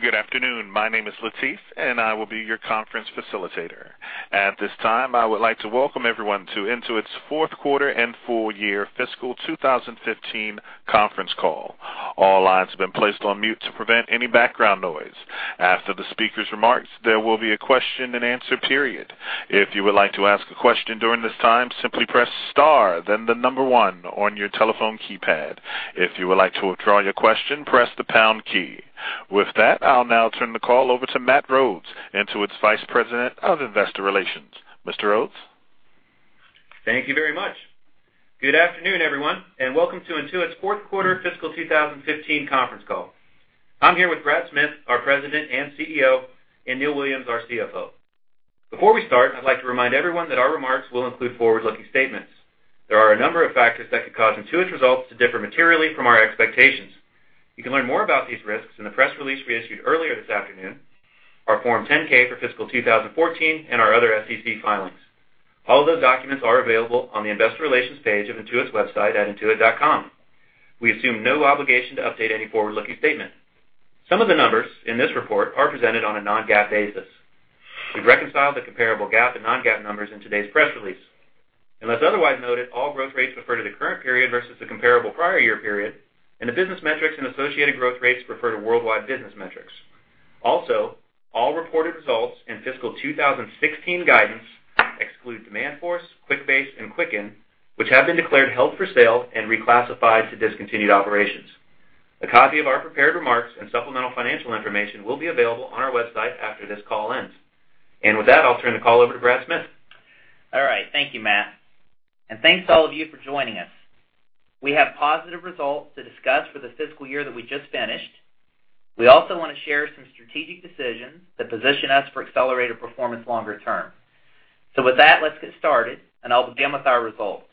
Good afternoon. My name is Latif, and I will be your conference facilitator. At this time, I would like to welcome everyone to Intuit's fourth quarter and full year fiscal 2015 conference call. All lines have been placed on mute to prevent any background noise. After the speaker's remarks, there will be a question and answer period. If you would like to ask a question during this time, simply press star, then number 1 on your telephone keypad. If you would like to withdraw your question, press the pound key. With that, I'll now turn the call over to Matt Rhodes, Intuit's Vice President of Investor Relations. Mr. Rhodes? Thank you very much. Good afternoon, everyone, and welcome to Intuit's fourth quarter fiscal 2015 conference call. I'm here with Brad Smith, our President and CEO, and Neil Williams, our CFO. Before we start, I'd like to remind everyone that our remarks will include forward-looking statements. There are a number of factors that could cause Intuit's results to differ materially from our expectations. You can learn more about these risks in the press release we issued earlier this afternoon, our Form 10-K for fiscal 2014, and our other SEC filings. All of those documents are available on the investor relations page of intuit.com. We assume no obligation to update any forward-looking statement. Some of the numbers in this report are presented on a non-GAAP basis. We've reconciled the comparable GAAP and non-GAAP numbers in today's press release. Unless otherwise noted, all growth rates refer to the current period versus the comparable prior year period, and the business metrics and associated growth rates refer to worldwide business metrics. All reported results and fiscal 2016 guidance exclude Demandforce, QuickBase, and Quicken, which have been declared held for sale and reclassified to discontinued operations. A copy of our prepared remarks and supplemental financial information will be available on our website after this call ends. With that, I'll turn the call over to Brad Smith. All right. Thank you, Matt. Thanks to all of you for joining us. We have positive results to discuss for the fiscal year that we just finished. We also want to share some strategic decisions that position us for accelerated performance longer term. With that, let's get started, and I'll begin with our results.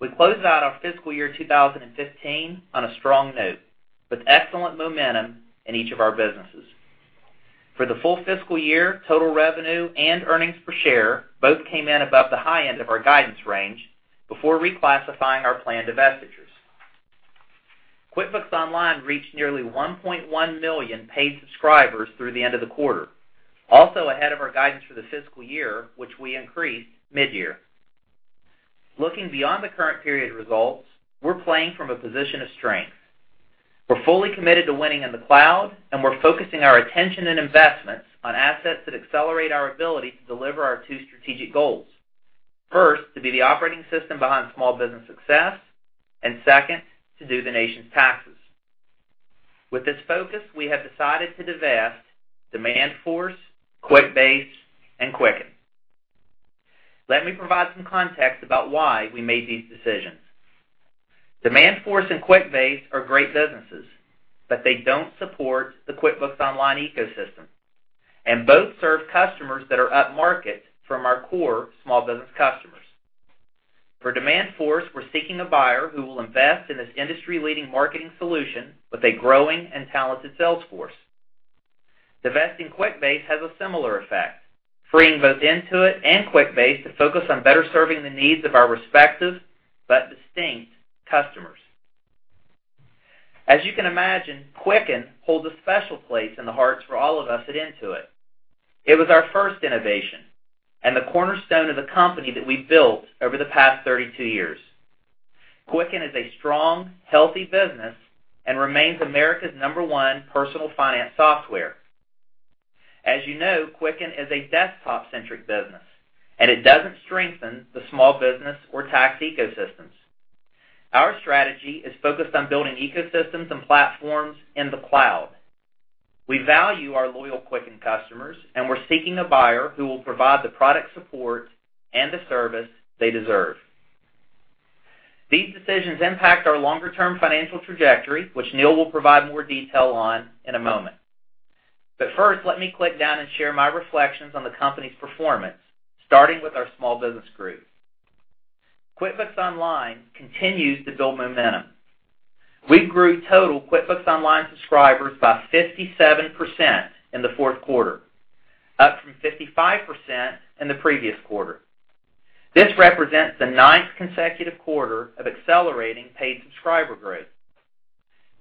We closed out our fiscal year 2015 on a strong note with excellent momentum in each of our businesses. For the full fiscal year, total revenue and earnings per share both came in above the high end of our guidance range before reclassifying our planned divestitures. QuickBooks Online reached nearly 1.1 million paid subscribers through the end of the quarter, also ahead of our guidance for the fiscal year, which we increased mid-year. Looking beyond the current period results, we're playing from a position of strength. We're fully committed to winning in the cloud. We're focusing our attention and investments on assets that accelerate our ability to deliver our two strategic goals. First, to be the operating system behind small business success, second, to do the nation's taxes. With this focus, we have decided to divest Demandforce, QuickBase, and Quicken. Let me provide some context about why we made these decisions. Demandforce and QuickBase are great businesses, but they don't support the QuickBooks Online ecosystem, and both serve customers that are upmarket from our core small business customers. For Demandforce, we're seeking a buyer who will invest in this industry-leading marketing solution with a growing and talented sales force. Divesting QuickBase has a similar effect, freeing both Intuit and QuickBase to focus on better serving the needs of our respective but distinct customers. As you can imagine, Quicken holds a special place in the hearts for all of us at Intuit. It was our first innovation and the cornerstone of the company that we've built over the past 32 years. Quicken is a strong, healthy business and remains America's number 1 personal finance software. As you know, Quicken is a desktop-centric business, and it doesn't strengthen the small business or tax ecosystems. Our strategy is focused on building ecosystems and platforms in the cloud. We value our loyal Quicken customers, and we're seeking a buyer who will provide the product support and the service they deserve. These decisions impact our longer-term financial trajectory, which Neil will provide more detail on in a moment. First, let me click down and share my reflections on the company's performance, starting with our small business group. QuickBooks Online continues to build momentum. We grew total QuickBooks Online subscribers by 57% in the fourth quarter, up from 55% in the previous quarter. This represents the ninth consecutive quarter of accelerating paid subscriber growth.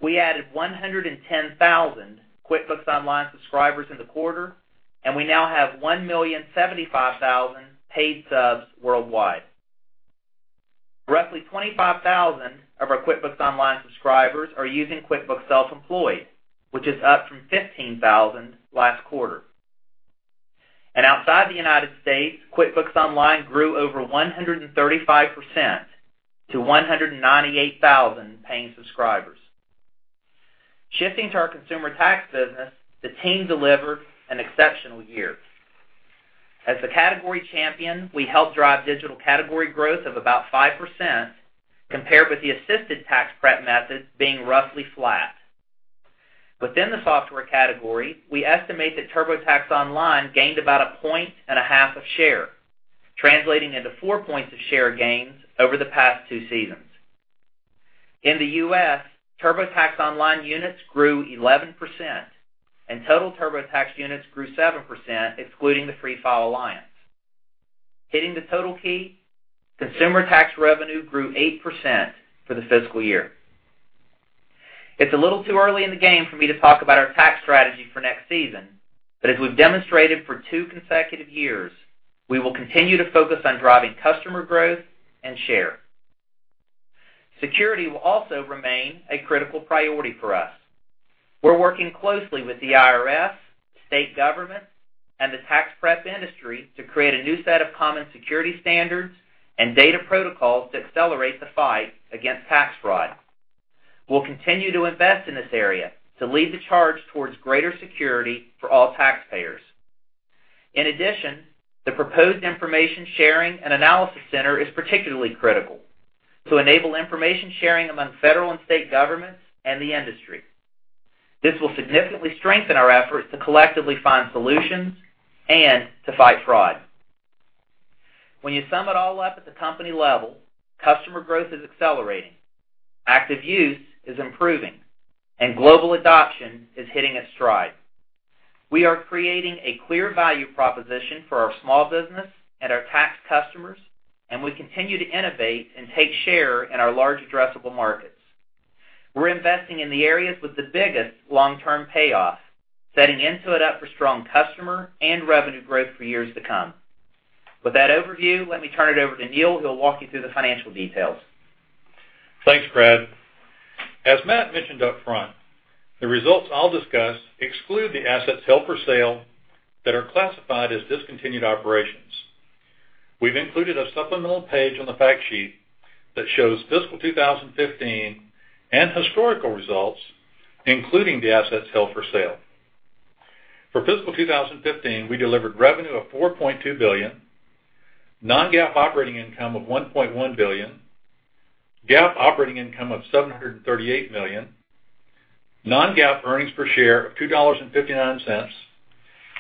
We added 110,000 QuickBooks Online subscribers in the quarter, and we now have 1,075,000 paid subs worldwide. Roughly 25,000 of our QuickBooks Online subscribers are using QuickBooks Self-Employed, which is up from 15,000 last quarter. Outside the U.S., QuickBooks Online grew over 135% to 198,000 paying subscribers. Shifting to our consumer tax business, the team delivered an exceptional year. As the category champion, we helped drive digital category growth of about 5%, compared with the assisted tax prep method being roughly flat. Within the software category, we estimate that TurboTax Online gained about a point and a half of share, translating into four points of share gains over the past two seasons. In the U.S., TurboTax Online units grew 11%, and total TurboTax units grew 7%, excluding the Free File Alliance. Hitting the total key, consumer tax revenue grew 8% for the fiscal year. It's a little too early in the game for me to talk about our tax strategy for next season, but as we've demonstrated for two consecutive years, we will continue to focus on driving customer growth and share. Security will also remain a critical priority for us. We're working closely with the IRS, state governments, and the tax prep industry to create a new set of common security standards and data protocols to accelerate the fight against tax fraud. We'll continue to invest in this area to lead the charge towards greater security for all taxpayers. In addition, the proposed Information Sharing and Analysis Center is particularly critical to enable information sharing among federal and state governments and the industry. This will significantly strengthen our efforts to collectively find solutions and to fight fraud. When you sum it all up at the company level, customer growth is accelerating, active use is improving, and global adoption is hitting a stride. We are creating a clear value proposition for our small business and our tax customers, and we continue to innovate and take share in our large addressable markets. We're investing in the areas with the biggest long-term payoff, setting Intuit up for strong customer and revenue growth for years to come. With that overview, let me turn it over to Neil, who will walk you through the financial details. Thanks, Brad. As Matt mentioned upfront, the results I'll discuss exclude the assets held for sale that are classified as discontinued operations. We've included a supplemental page on the fact sheet that shows fiscal 2015 and historical results, including the assets held for sale. For fiscal 2015, we delivered revenue of $4.2 billion, non-GAAP operating income of $1.1 billion, GAAP operating income of $738 million, non-GAAP earnings per share of $2.59,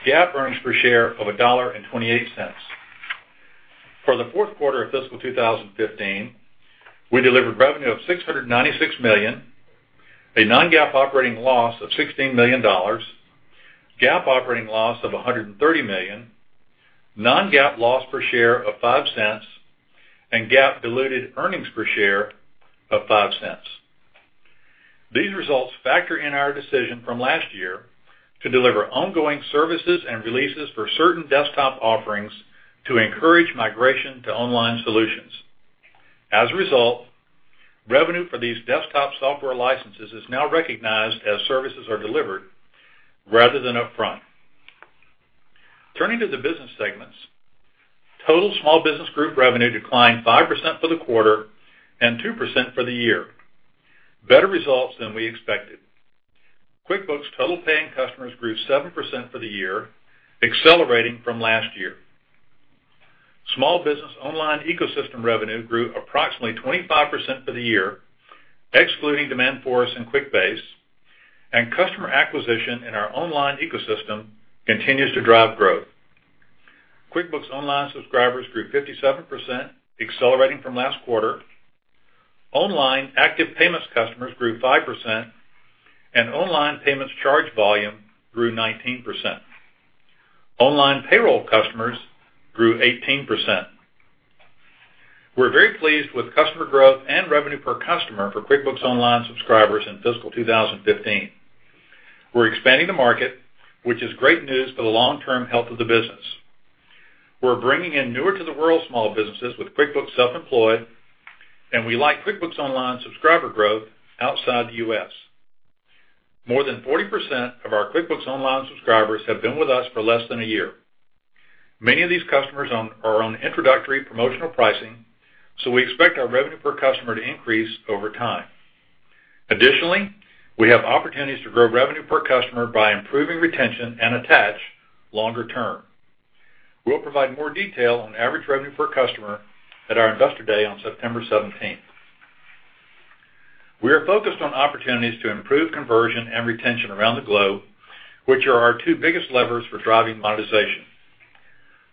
GAAP earnings per share of $1.28. For the fourth quarter of fiscal 2015, we delivered revenue of $696 million, a non-GAAP operating loss of $16 million, GAAP operating loss of $130 million, non-GAAP loss per share of $0.05, and GAAP diluted earnings per share of $0.05. These results factor in our decision from last year to deliver ongoing services and releases for certain desktop offerings to encourage migration to online solutions. As a result, revenue for these desktop software licenses is now recognized as services are delivered rather than upfront. Turning to the business segments, total small business group revenue declined 5% for the quarter and 2% for the year. Better results than we expected. QuickBooks total paying customers grew 7% for the year, accelerating from last year. Small business online ecosystem revenue grew approximately 25% for the year, excluding Demandforce and QuickBase, and customer acquisition in our online ecosystem continues to drive growth. QuickBooks Online subscribers grew 57%, accelerating from last quarter. Online active payments customers grew 5%, and online payments charge volume grew 19%. Online payroll customers grew 18%. We're very pleased with customer growth and revenue per customer for QuickBooks Online subscribers in fiscal 2015. We're expanding the market, which is great news for the long-term health of the business. We're bringing in newer to the world small businesses with QuickBooks Self-Employed, and we like QuickBooks Online subscriber growth outside the U.S. More than 40% of our QuickBooks Online subscribers have been with us for less than a year. Many of these customers are on introductory promotional pricing, so we expect our revenue per customer to increase over time. Additionally, we have opportunities to grow revenue per customer by improving retention and attach longer term. We'll provide more detail on average revenue per customer at our Investor Day on September 17th. We are focused on opportunities to improve conversion and retention around the globe, which are our two biggest levers for driving monetization.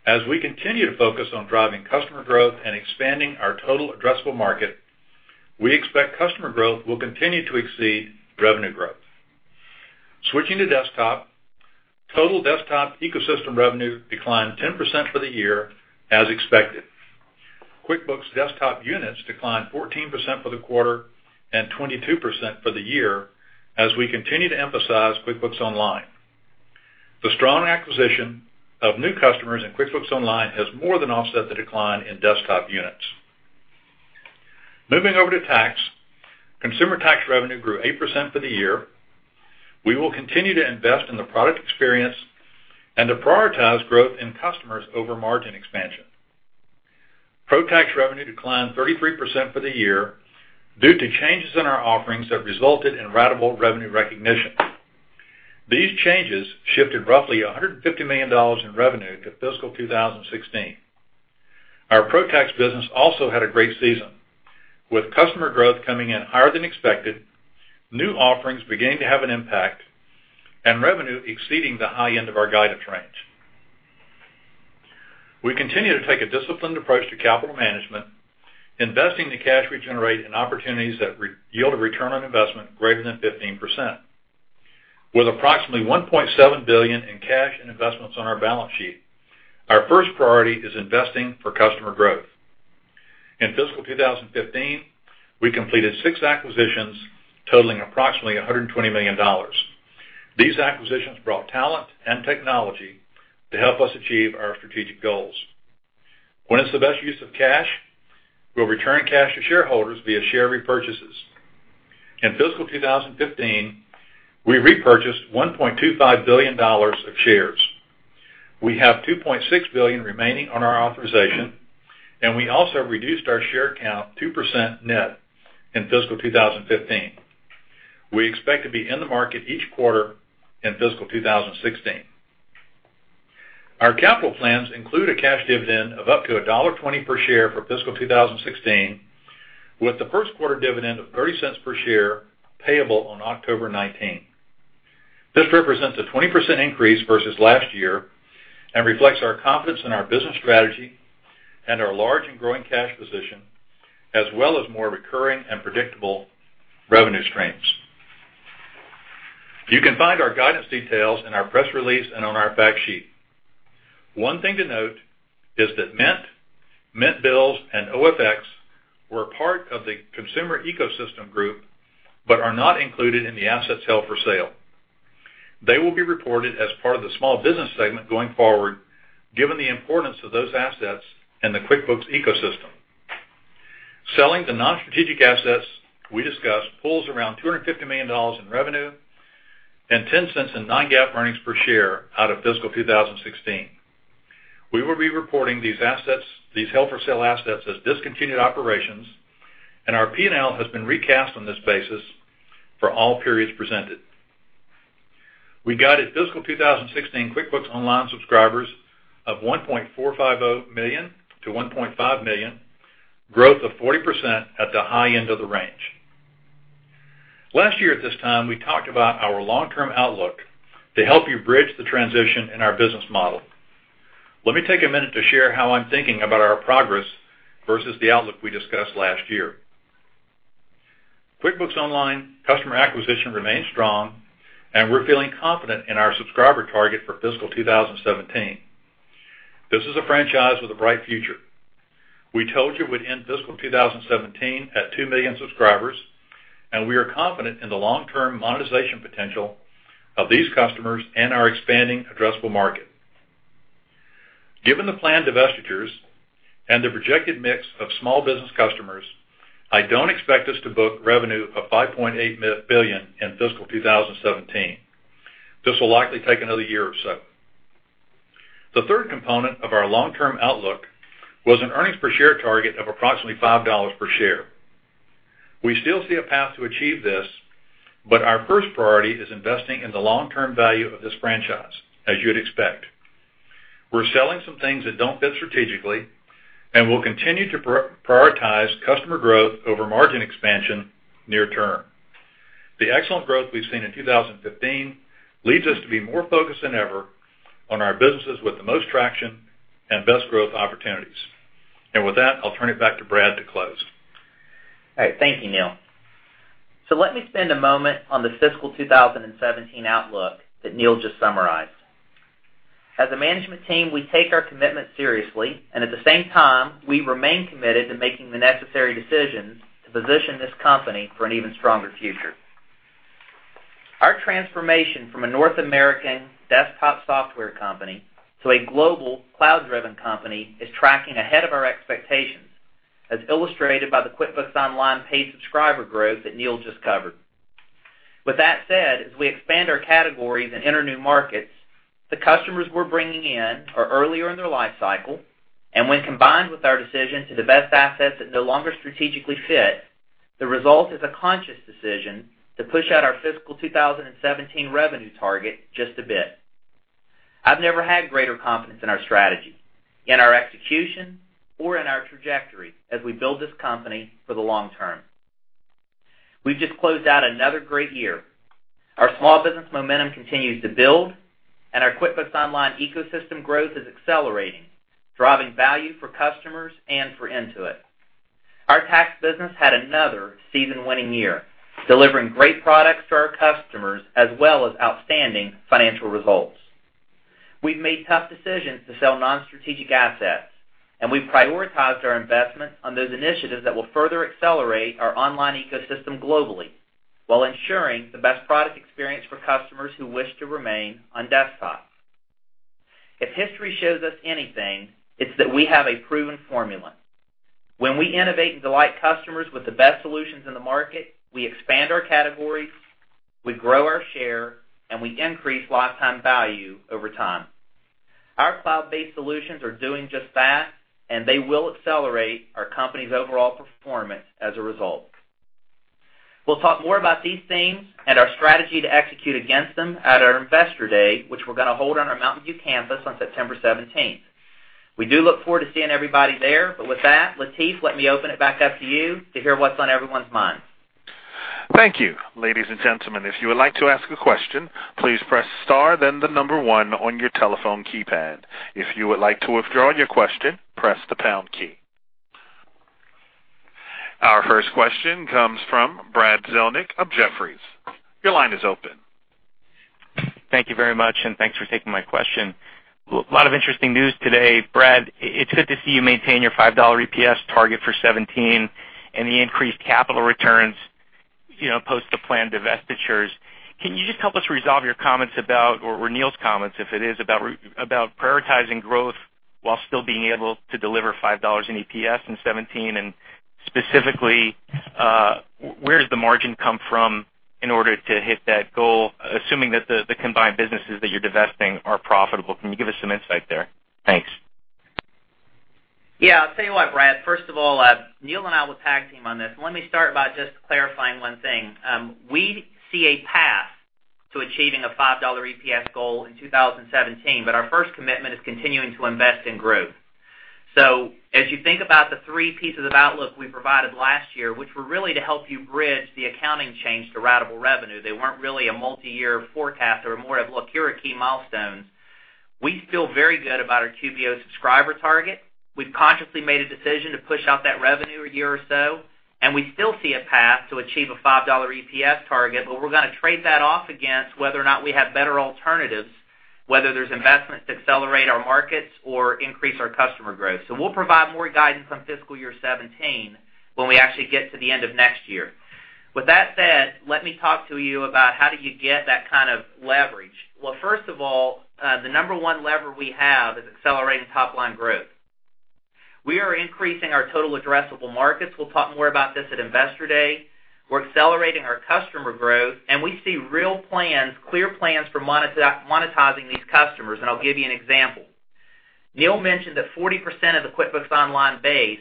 As we continue to focus on driving customer growth and expanding our total addressable market, we expect customer growth will continue to exceed revenue growth. Switching to desktop, total desktop ecosystem revenue declined 10% for the year, as expected. QuickBooks Desktop units declined 14% for the quarter and 22% for the year, as we continue to emphasize QuickBooks Online. The strong acquisition of new customers in QuickBooks Online has more than offset the decline in desktop units. Moving over to tax, consumer tax revenue grew 8% for the year. We will continue to invest in the product experience and to prioritize growth in customers over margin expansion. ProTax revenue declined 33% for the year due to changes in our offerings that resulted in ratable revenue recognition. These changes shifted roughly $150 million in revenue to fiscal 2016. Our ProTax business also had a great season, with customer growth coming in higher than expected, new offerings beginning to have an impact, and revenue exceeding the high end of our guidance range. We continue to take a disciplined approach to capital management, investing the cash we generate in opportunities that yield a return on investment greater than 15%. With approximately $1.7 billion in cash and investments on our balance sheet, our first priority is investing for customer growth. In fiscal 2015, we completed six acquisitions totaling approximately $120 million. These acquisitions brought talent and technology to help us achieve our strategic goals. When it's the best use of cash, we'll return cash to shareholders via share repurchases. In fiscal 2015, we repurchased $1.25 billion of shares. We have $2.6 billion remaining on our authorization, and we also reduced our share count 2% net in fiscal 2015. We expect to be in the market each quarter in fiscal 2016. Our capital plans include a cash dividend of up to $1.20 per share for fiscal 2016, with the first quarter dividend of $0.30 per share payable on October 19. This represents a 20% increase versus last year and reflects our confidence in our business strategy and our large and growing cash position, as well as more recurring and predictable revenue streams. You can find our guidance details in our press release and on our fact sheet. One thing to note is that Mint Bills, and OFX were a part of the consumer ecosystem group but are not included in the assets held for sale. They will be reported as part of the small business segment going forward, given the importance of those assets in the QuickBooks ecosystem. Selling the non-strategic assets we discussed pulls around $250 million in revenue and $0.10 in non-GAAP earnings per share out of fiscal 2016. We will be reporting these held for sale assets as discontinued operations, and our P&L has been recast on this basis for all periods presented. We guided fiscal 2016 QuickBooks Online subscribers of 1.450 million-1.5 million, growth of 40% at the high end of the range. Last year at this time, we talked about our long-term outlook to help you bridge the transition in our business model. Let me take a minute to share how I'm thinking about our progress versus the outlook we discussed last year. QuickBooks Online customer acquisition remains strong, and we're feeling confident in our subscriber target for fiscal 2017. This is a franchise with a bright future. We told you we'd end fiscal 2017 at 2 million subscribers. We are confident in the long-term monetization potential of these customers and our expanding addressable market. Given the planned divestitures and the projected mix of small business customers, I don't expect us to book revenue of $5.8 billion in fiscal 2017. This will likely take another year or so. The third component of our long-term outlook was an earnings per share target of approximately $5 per share. Our first priority is investing in the long-term value of this franchise, as you'd expect. We're selling some things that don't fit strategically. We'll continue to prioritize customer growth over margin expansion near-term. The excellent growth we've seen in 2015 leads us to be more focused than ever on our businesses with the most traction and best growth opportunities. With that, I'll turn it back to Brad to close. All right. Thank you, Neil. Let me spend a moment on the fiscal 2017 outlook that Neil just summarized. As a management team, we take our commitment seriously. At the same time, we remain committed to making the necessary decisions to position this company for an even stronger future. Our transformation from a North American desktop software company to a global cloud-driven company is tracking ahead of our expectations, as illustrated by the QuickBooks Online paid subscriber growth that Neil just covered. With that said, as we expand our categories and enter new markets, the customers we're bringing in are earlier in their life cycle. When combined with our decision to divest assets that no longer strategically fit, the result is a conscious decision to push out our fiscal 2017 revenue target just a bit. I've never had greater confidence in our strategy, in our execution, or in our trajectory as we build this company for the long term. We've just closed out another great year. Our small business momentum continues to build. Our QuickBooks Online ecosystem growth is accelerating, driving value for customers and for Intuit. Our tax business had another season-winning year, delivering great products to our customers, as well as outstanding financial results. We've made tough decisions to sell non-strategic assets. We've prioritized our investments on those initiatives that will further accelerate our online ecosystem globally while ensuring the best product experience for customers who wish to remain on desktops. If history shows us anything, it's that we have a proven formula. When we innovate and delight customers with the best solutions in the market, we expand our categories, we grow our share, and we increase lifetime value over time. Our cloud-based solutions are doing just that, they will accelerate our company's overall performance as a result. We'll talk more about these themes and our strategy to execute against them at our Investor Day, which we're going to hold on our Mountain View campus on September 17th. We do look forward to seeing everybody there. With that, Latif, let me open it back up to you to hear what's on everyone's mind. Thank you. Ladies and gentlemen, if you would like to ask a question, please press star then the number 1 on your telephone keypad. If you would like to withdraw your question, press the pound key. Our first question comes from Brad Zelnick of Jefferies. Your line is open. Thank you very much, thanks for taking my question. A lot of interesting news today, Brad. It's good to see you maintain your $5 EPS target for 2017 and the increased capital returns, post the planned divestitures. Can you just help us resolve your comments about, or Neil's comments, if it is, about prioritizing growth while still being able to deliver $5 in EPS in 2017? Specifically, where does the margin come from in order to hit that goal, assuming that the combined businesses that you're divesting are profitable? Can you give us some insight there? Thanks. Yeah. I'll tell you what, Brad. First of all, Neil and I will tag team on this. Let me start by just clarifying one thing. We see a path to achieving a $5 EPS goal in 2017, our first commitment is continuing to invest in growth. As you think about the three pieces of outlook we provided last year, which were really to help you bridge the accounting change to ratable revenue, they weren't really a multi-year forecast. They were more of, look, here are key milestones. We feel very good about our QBO subscriber target. We've consciously made a decision to push out that revenue a year or so, we still see a path to achieve a $5 EPS target, we're gonna trade that off against whether or not we have better alternatives, whether there's investments to accelerate our markets or increase our customer growth. We'll provide more guidance on fiscal year 2017 when we actually get to the end of next year. With that said, let me talk to you about how do you get that kind of leverage. First of all, the number one lever we have is accelerating top-line growth. We are increasing our total addressable markets. We'll talk more about this at Investor Day. We're accelerating our customer growth, and we see real plans, clear plans for monetizing these customers, and I'll give you an example. Neil mentioned that 40% of the QuickBooks Online base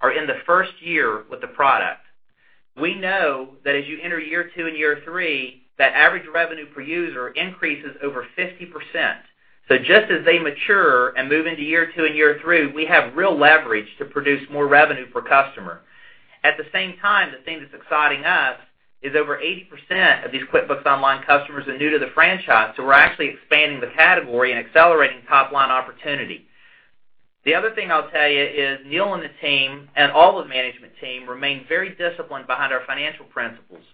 are in the first year with the product. We know that as you enter year two and year three, that average revenue per user increases over 50%. Just as they mature and move into year two and year three, we have real leverage to produce more revenue per customer. At the same time, the thing that's exciting us is over 80% of these QuickBooks Online customers are new to the franchise, we're actually expanding the category and accelerating top-line opportunity. The other thing I'll tell you is Neil and the team, and all of management team, remain very disciplined behind our financial principles.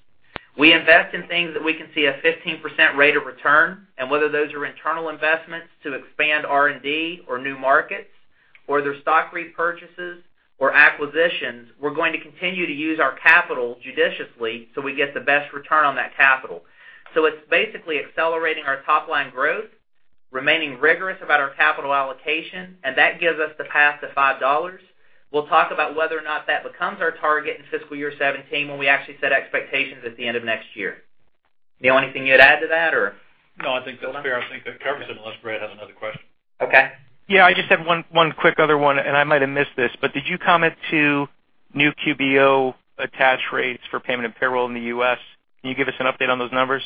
We invest in things that we can see a 15% rate of return, and whether those are internal investments to expand R&D or new markets, or they're stock repurchases or acquisitions, we're going to continue to use our capital judiciously so we get the best return on that capital. It's basically accelerating our top-line growth, remaining rigorous about our capital allocation, and that gives us the path to $5. We'll talk about whether or not that becomes our target in fiscal year 2017, when we actually set expectations at the end of next year. Neil, anything you'd add to that, or- No, I think that's fair. I think that covers it, unless Brad has another question. Okay. Yeah, I just have one quick other one, and I might have missed this, but did you comment to new QBO attach rates for payment and payroll in the U.S.? Can you give us an update on those numbers?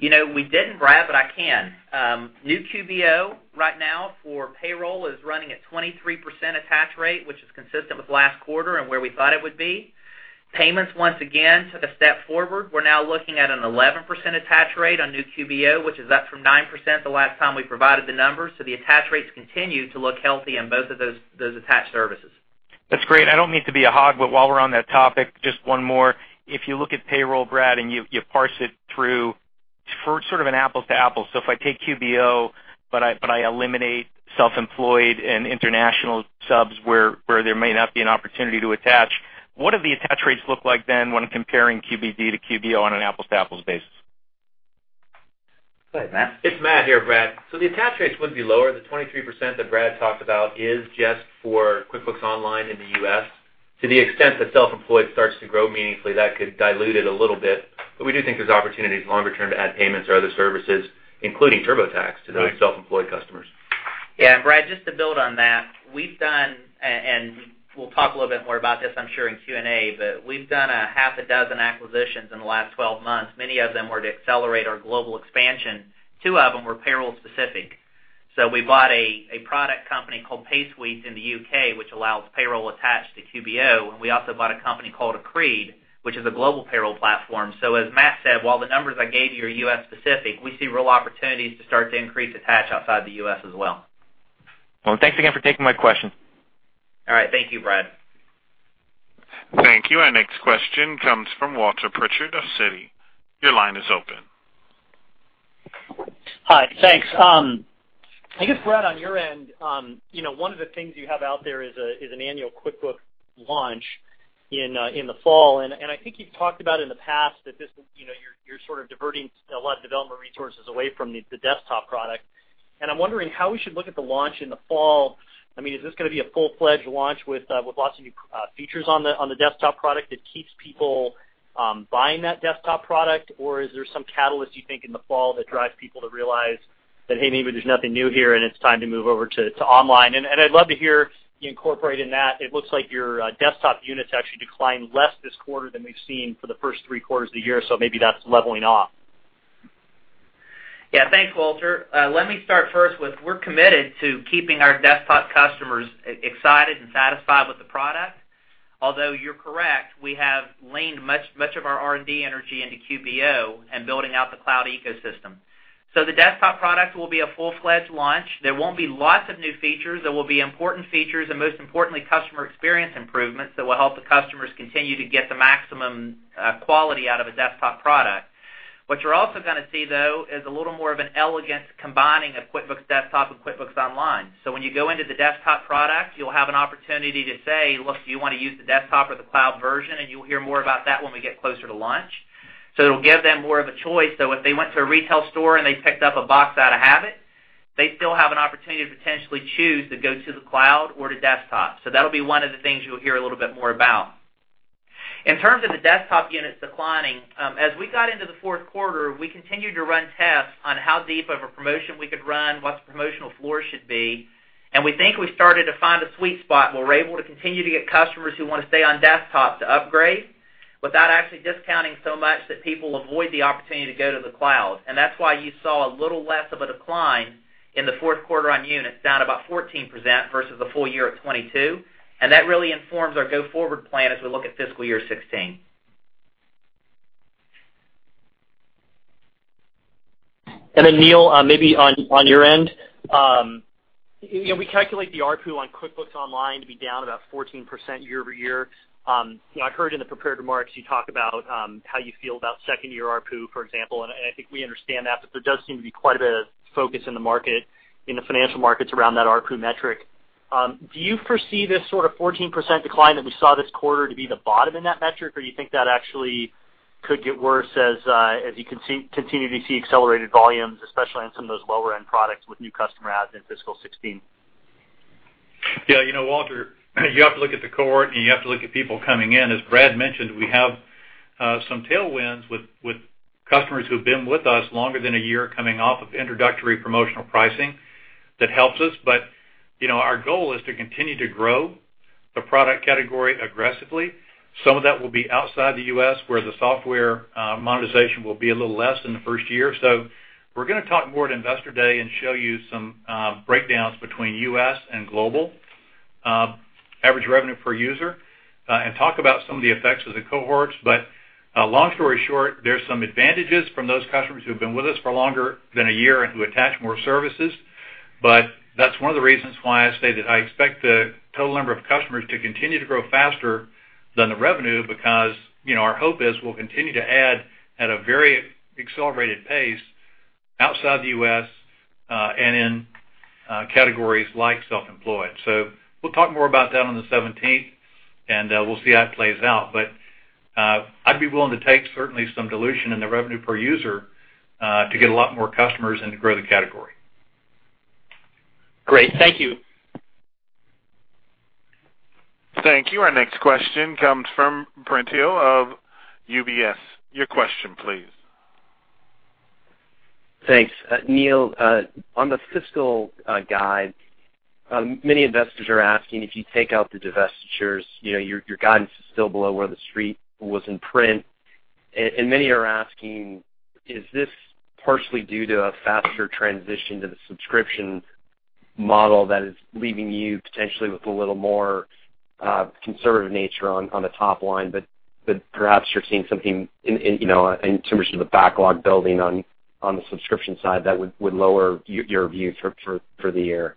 We didn't, Brad, but I can. New QBO right now for payroll is running at 23% attach rate, which is consistent with last quarter and where we thought it would be. Payments, once again, took a step forward. We're now looking at an 11% attach rate on new QBO, which is up from 9% the last time we provided the numbers. The attach rates continue to look healthy on both of those attach services. That's great. I don't mean to be a hog, but while we're on that topic, just one more. If you look at payroll, Brad, and you parse it through for sort of an apples-to-apples. If I take QBO, but I eliminate Self-Employed and international subs where there may not be an opportunity to attach, what do the attach rates look like then when comparing QBD to QBO on an apples-to-apples basis? Go ahead, Matt. It's Matt here, Brad. The attach rates would be lower. The 23% that Brad talked about is just for QuickBooks Online in the U.S. To the extent that self-employed starts to grow meaningfully, that could dilute it a little bit. We do think there's opportunities longer term to add payments or other services, including TurboTax, to those self-employed customers. Yeah. Brad, just to build on that, we've done, and we'll talk a little bit more about this, I'm sure, in Q&A, but we've done a half a dozen acquisitions in the last 12 months. Many of them were to accelerate our global expansion. Two of them were payroll-specific. We bought a product company called PaySuite in the U.K., which allows payroll attached to QBO, and we also bought a company called Acrede, which is a global payroll platform. As Matt said, while the numbers I gave you are U.S.-specific, we see real opportunities to start to increase attach outside the U.S. as well. Well, thanks again for taking my question. All right. Thank you, Brad. Thank you. Our next question comes from Walter Pritchard of Citi. Your line is open. Hi. Thanks. I guess, Brad, on your end, one of the things you have out there is an annual QuickBooks launch in the fall, I think you've talked about in the past that you're sort of diverting a lot of development resources away from the desktop product, I'm wondering how we should look at the launch in the fall. I mean, is this gonna be a full-fledged launch with lots of new features on the desktop product that keeps people buying that desktop product, or is there some catalyst you think in the fall that drives people to realize that, hey, maybe there's nothing new here, it's time to move over to online? I'd love to hear you incorporate in that. It looks like your desktop units actually declined less this quarter than we've seen for the first three quarters of the year, maybe that's leveling off. Yeah. Thanks, Walter. Let me start first with we're committed to keeping our desktop customers excited and satisfied with the product. Although you're correct, we have leaned much of our R&D energy into QBO and building out the cloud ecosystem. The desktop product will be a full-fledged launch. There won't be lots of new features. There will be important features and, most importantly, customer experience improvements that will help the customers continue to get the maximum quality out of a desktop product. What you're also going to see, though, is a little more of an elegant combining of QuickBooks Desktop and QuickBooks Online. When you go into the desktop product, you'll have an opportunity to say, look, do you want to use the desktop or the cloud version? You'll hear more about that when we get closer to launch. It'll give them more of a choice, so if they went to a retail store and they picked up a box out of habit, they still have an opportunity to potentially choose to go to the cloud or to desktop. That'll be one of the things you'll hear a little bit more about. In terms of the desktop units declining, as we got into the fourth quarter, we continued to run tests on how deep of a promotion we could run, what the promotional floor should be, and we think we started to find a sweet spot where we're able to continue to get customers who want to stay on desktop to upgrade without actually discounting so much that people avoid the opportunity to go to the cloud. That's why you saw a little less of a decline in the fourth quarter on units, down about 14% versus the full year of 22, and that really informs our go-forward plan as we look at fiscal year 2016. Neil, maybe on your end. We calculate the ARPU on QuickBooks Online to be down about 14% year-over-year. I heard in the prepared remarks you talk about how you feel about second-year ARPU, for example, and I think we understand that, but there does seem to be quite a bit of focus in the market, in the financial markets around that ARPU metric. Do you foresee this sort of 14% decline that we saw this quarter to be the bottom in that metric, or you think that actually could get worse as you continue to see accelerated volumes, especially on some of those lower-end products with new customer adds in fiscal 2016? Yeah. Walter, you have to look at the cohort, and you have to look at people coming in. As Brad mentioned, we have some tailwinds with customers who've been with us longer than a year, coming off of introductory promotional pricing. That helps us, but our goal is to continue to grow the product category aggressively. Some of that will be outside the U.S., where the software monetization will be a little less in the first year. We're going to talk more at Investor Day and show you some breakdowns between U.S. and global average revenue per user, and talk about some of the effects of the cohorts. Long story short, there's some advantages from those customers who've been with us for longer than a year and who attach more services. That's one of the reasons why I say that I expect the total number of customers to continue to grow faster than the revenue, because our hope is we'll continue to add at a very accelerated pace outside the U.S., and in categories like self-employed. We'll talk more about that on the 17th, and we'll see how it plays out. I'd be willing to take certainly some dilution in the revenue per user, to get a lot more customers and to grow the category. Great. Thank you. Thank you. Our next question comes from Brent Thill of UBS. Your question please. Thanks. Neil, on the fiscal guide, many investors are asking if you take out the divestitures, your guidance is still below where the Street was in print. Many are asking, is this partially due to a faster transition to the subscription model that is leaving you potentially with a little more conservative nature on the top line, but perhaps you're seeing something in terms of the backlog building on the subscription side that would lower your view for the year?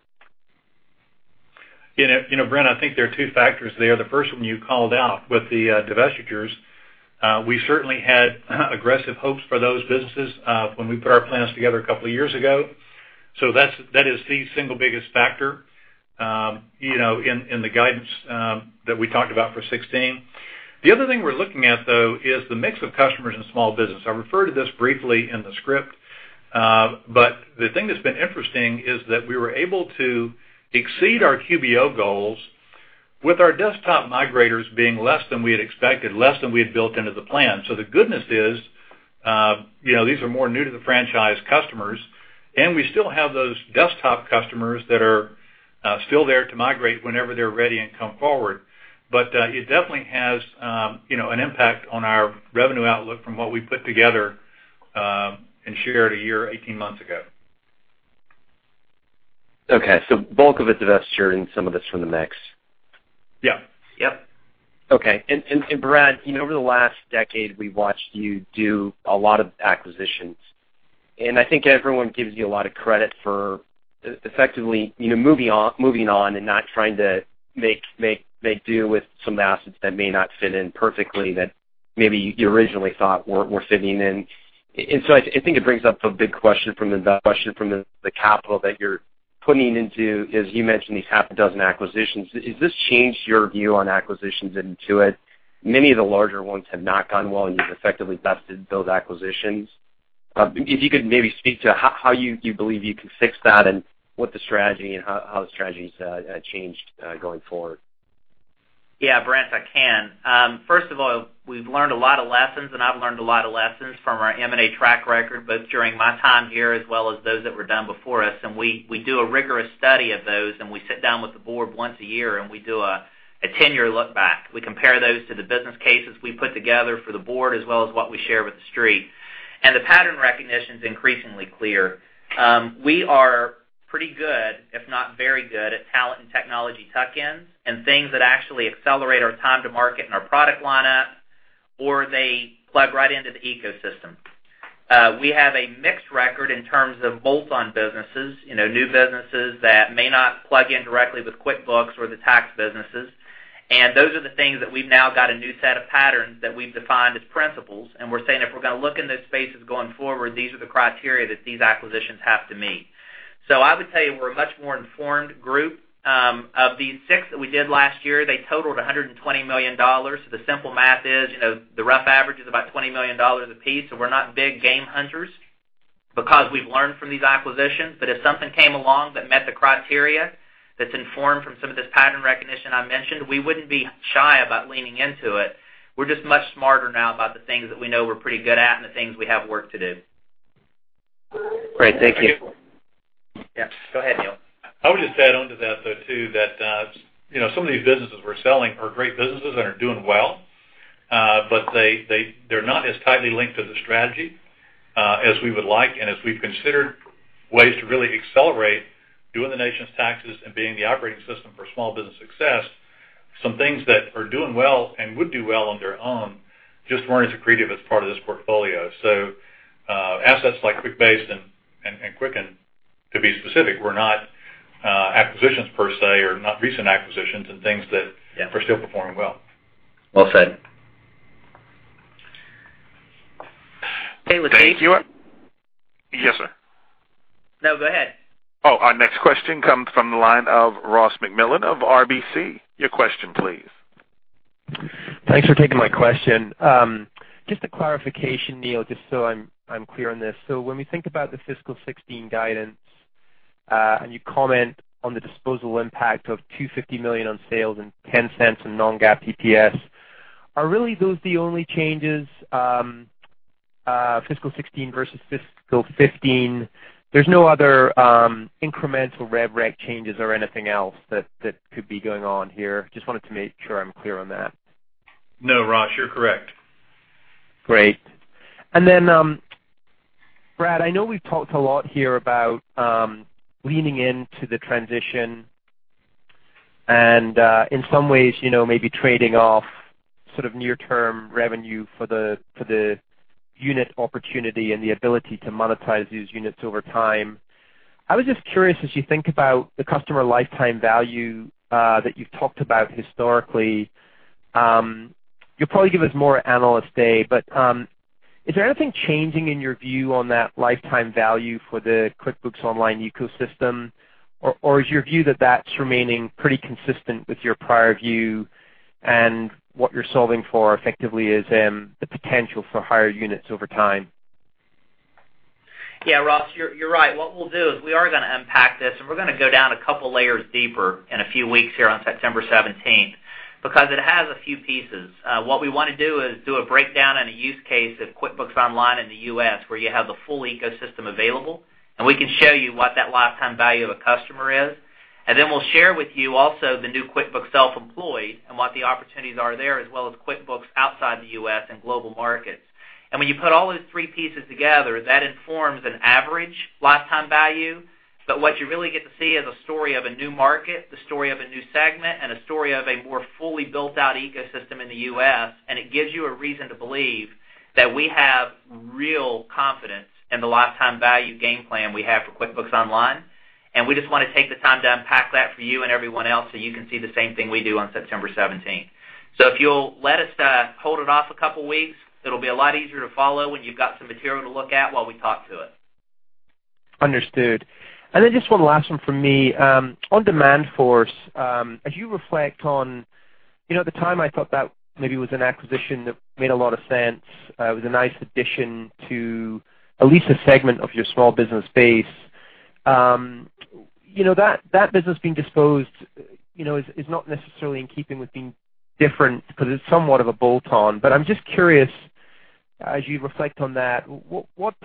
Brent, I think there are two factors there. The first one you called out with the divestitures. We certainly had aggressive hopes for those businesses when we put our plans together a couple of years ago. That is the single biggest factor in the guidance that we talked about for 16. The other thing we're looking at, though, is the mix of customers in small business. I refer to this briefly in the script. The thing that's been interesting is that we were able to exceed our QBO goals with our desktop migrators being less than we had expected, less than we had built into the plan. The good news is these are more new to the franchise customers, and we still have those desktop customers that are still there to migrate whenever they're ready and come forward. It definitely has an impact on our revenue outlook from what we put together and shared a year, 18 months ago. Okay. Bulk of it's divestiture and some of it's from the mix. Yeah. Yep. Okay. Brad, over the last decade, we've watched you do a lot of acquisitions, and I think everyone gives you a lot of credit for effectively moving on and not trying to make do with some assets that may not fit in perfectly that maybe you originally thought were fitting in. I think it brings up a big question from the capital that you're putting into, as you mentioned, these half a dozen acquisitions. Has this changed your view on acquisitions at Intuit? Many of the larger ones have not gone well, and you've effectively vested those acquisitions. If you could maybe speak to how you believe you can fix that and what the strategy, and how the strategy's changed going forward. Yeah, Brent, I can. First of all, we've learned a lot of lessons, and I've learned a lot of lessons from our M&A track record, both during my time here as well as those that were done before us. We do a rigorous study of those, and we sit down with the board once a year, and we do a tenure look back. We compare those to the business cases we put together for the board as well as what we share with the Street. The pattern recognition's increasingly clear. We are pretty good, if not very good, at talent and technology tuck-ins and things that actually accelerate our time to market and our product lineup. They plug right into the ecosystem. We have a mixed record in terms of bolt-on businesses, new businesses that may not plug in directly with QuickBooks or the tax businesses. Those are the things that we've now got a new set of patterns that we've defined as principles. We're saying, if we're going to look in those spaces going forward, these are the criteria that these acquisitions have to meet. I would say we're a much more informed group. Of these six that we did last year, they totaled $120 million. The simple math is, the rough average is about $20 million apiece, so we're not big game hunters because we've learned from these acquisitions. If something came along that met the criteria that's informed from some of this pattern recognition I mentioned, we wouldn't be shy about leaning into it. We're just much smarter now about the things that we know we're pretty good at and the things we have work to do. Great. Thank you. Yeah, go ahead, Neil. I would just add onto that, though, too, that some of these businesses we're selling are great businesses and are doing well. They're not as tightly linked to the strategy, as we would like, and as we've considered ways to really accelerate doing the nation's taxes and being the operating system for small business success. Some things that are doing well and would do well on their own just weren't as accretive as part of this portfolio. Assets like QuickBase and Quicken, to be specific, were not acquisitions per se or not recent acquisitions and things that- Yeah are still performing well. Well said. Hey, Lachie. Thank you. Yes, sir. No, go ahead. Our next question comes from the line of Ross MacMillan of RBC. Your question please. Thanks for taking my question. Just a clarification, Neil, just so I'm clear on this. When we think about the fiscal 2016 guidance, and you comment on the disposal impact of $250 million on sales and $0.10 in non-GAAP EPS, are really those the only changes, fiscal 2016 versus fiscal 2015? There's no other incremental rev rec changes or anything else that could be going on here? Just wanted to make sure I'm clear on that. No, Ross, you're correct. Great. Brad, I know we've talked a lot here about leaning into the transition and in some ways, maybe trading off sort of near-term revenue for the unit opportunity and the ability to monetize these units over time. I was just curious, as you think about the customer lifetime value that you've talked about historically, you'll probably give us more at Investor Day, but, is there anything changing in your view on that lifetime value for the QuickBooks Online ecosystem? Or is your view that that's remaining pretty consistent with your prior view and what you're solving for effectively is the potential for higher units over time? Yeah, Ross, you're right. What we'll do is we are going to unpack this, and we're going to go down a couple of layers deeper in a few weeks here on September 17th, because it has a few pieces. What we want to do is do a breakdown and a use case of QuickBooks Online in the U.S., where you have the full ecosystem available, and we can show you what that lifetime value of a customer is. Then we'll share with you also the new QuickBooks Self-Employed and what the opportunities are there, as well as QuickBooks outside the U.S. and global markets. When you put all those three pieces together, that informs an average lifetime value. What you really get to see is a story of a new market, the story of a new segment, and a story of a more fully built-out ecosystem in the U.S. It gives you a reason to believe that we have real confidence in the lifetime value game plan we have for QuickBooks Online. We just want to take the time to unpack that for you and everyone else so you can see the same thing we do on September 17th. If you'll let us hold it off a couple of weeks, it'll be a lot easier to follow when you've got some material to look at while we talk to it. Understood. Just one last one from me. On Demandforce, as you reflect on, at the time, I thought that maybe was an acquisition that made a lot of sense, was a nice addition to at least a segment of your small business base. That business being disposed is not necessarily in keeping with being different because it's somewhat of a bolt-on. I'm just curious, as you reflect on that, what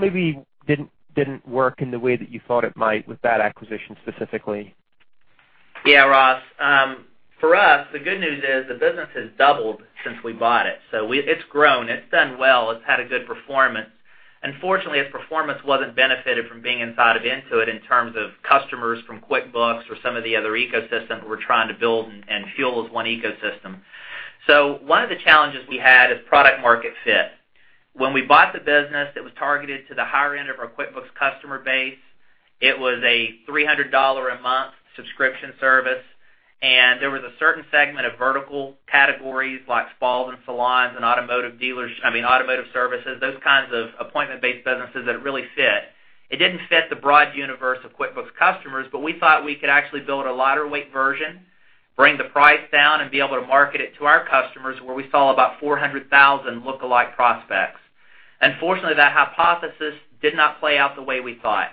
maybe didn't work in the way that you thought it might with that acquisition specifically? Ross. For us, the good news is the business has doubled since we bought it. It's grown. It's done well. It's had a good performance. Unfortunately, its performance wasn't benefited from being inside of Intuit in terms of customers from QuickBooks or some of the other ecosystem we're trying to build and fuel as one ecosystem. One of the challenges we had is product market fit. When we bought the business, it was targeted to the higher end of our QuickBooks customer base. It was a $300 a month subscription service, and there was a certain segment of vertical categories like spas and salons and automotive services, those kinds of appointment-based businesses that it really fit. It didn't fit the broad universe of QuickBooks customers, but we thought we could actually build a lighter-weight version, bring the price down, and be able to market it to our customers, where we saw about 400,000 lookalike prospects. Unfortunately, that hypothesis did not play out the way we thought.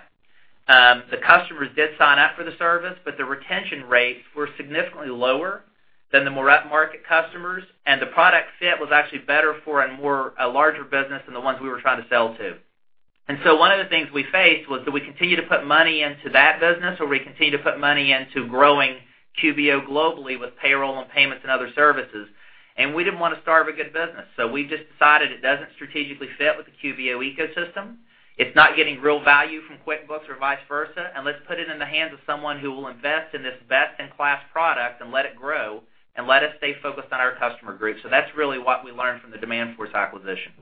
The customers did sign up for the service, but the retention rates were significantly lower than the more up-market customers, and the product fit was actually better for a larger business than the ones we were trying to sell to. One of the things we faced was, do we continue to put money into that business, or we continue to put money into growing QBO globally with payroll and payments and other services? We didn't want to starve a good business. We just decided it doesn't strategically fit with the QBO ecosystem. It's not getting real value from QuickBooks or vice versa. Let's put it in the hands of someone who will invest in this best-in-class product and let it grow and let us stay focused on our customer group. That's really what we learned from the Demandforce acquisition.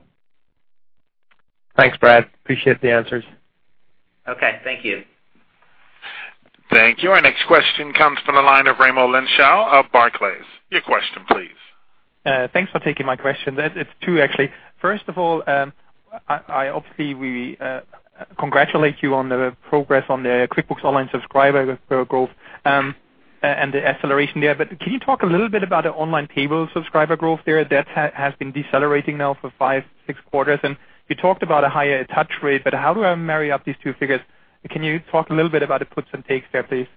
Thanks, Brad. Appreciate the answers. Okay, thank you. Thank you. Our next question comes from the line of Raimo Lenschow of Barclays. Your question please. Thanks for taking my question. It's two, actually. First of all, obviously, we congratulate you on the progress on the QuickBooks Online subscriber growth, and the acceleration there. Can you talk a little bit about the online payroll subscriber growth there? That has been decelerating now for five, six quarters, and you talked about a higher attach rate, but how do I marry up these two figures? Can you talk a little bit about the puts and takes there, please?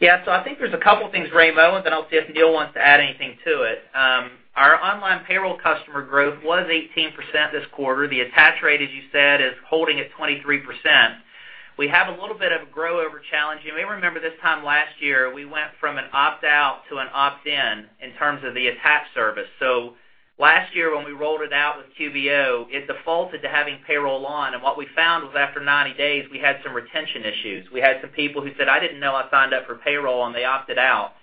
Yeah. I think there's a couple things, Raimo, and then I'll see if Neil wants to add anything to it. Our online payroll customer growth was 18% this quarter. The attach rate, as you said, is holding at 23%. We have a little bit of a grow over challenge. You may remember this time last year, we went from an opt-out to an opt-in in terms of the attach service. Last year when we rolled it out with QBO, it defaulted to having payroll on, and what we found was after 90 days, we had some retention issues. We had some people who said, "I didn't know I signed up for payroll," and they opted out.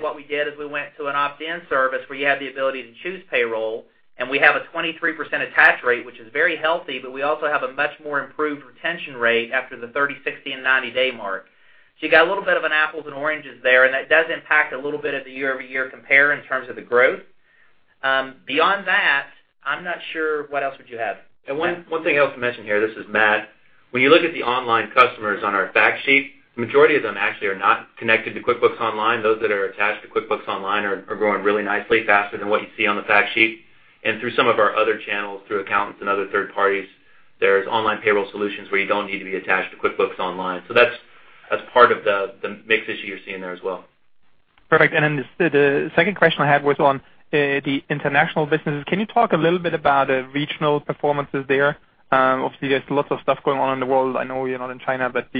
What we did is we went to an opt-in service where you have the ability to choose payroll, and we have a 23% attach rate, which is very healthy, but we also have a much more improved retention rate after the 30, 60, and 90-day mark. You got a little bit of an apples and oranges there, and that does impact a little bit of the year-over-year compare in terms of the growth. Beyond that, I'm not sure, what else would you have? One thing I also mention here, this is Matt. When you look at the online customers on our fact sheet, the majority of them actually are not connected to QuickBooks Online. Those that are attached to QuickBooks Online are growing really nicely, faster than what you see on the fact sheet. Through some of our other channels, through accountants and other third parties, there's online payroll solutions where you don't need to be attached to QuickBooks Online. That's part of the mix issue you're seeing there as well. Perfect. The second question I had was on the international businesses. Can you talk a little bit about the regional performances there? Obviously, there's lots of stuff going on in the world. I know you're not in China, but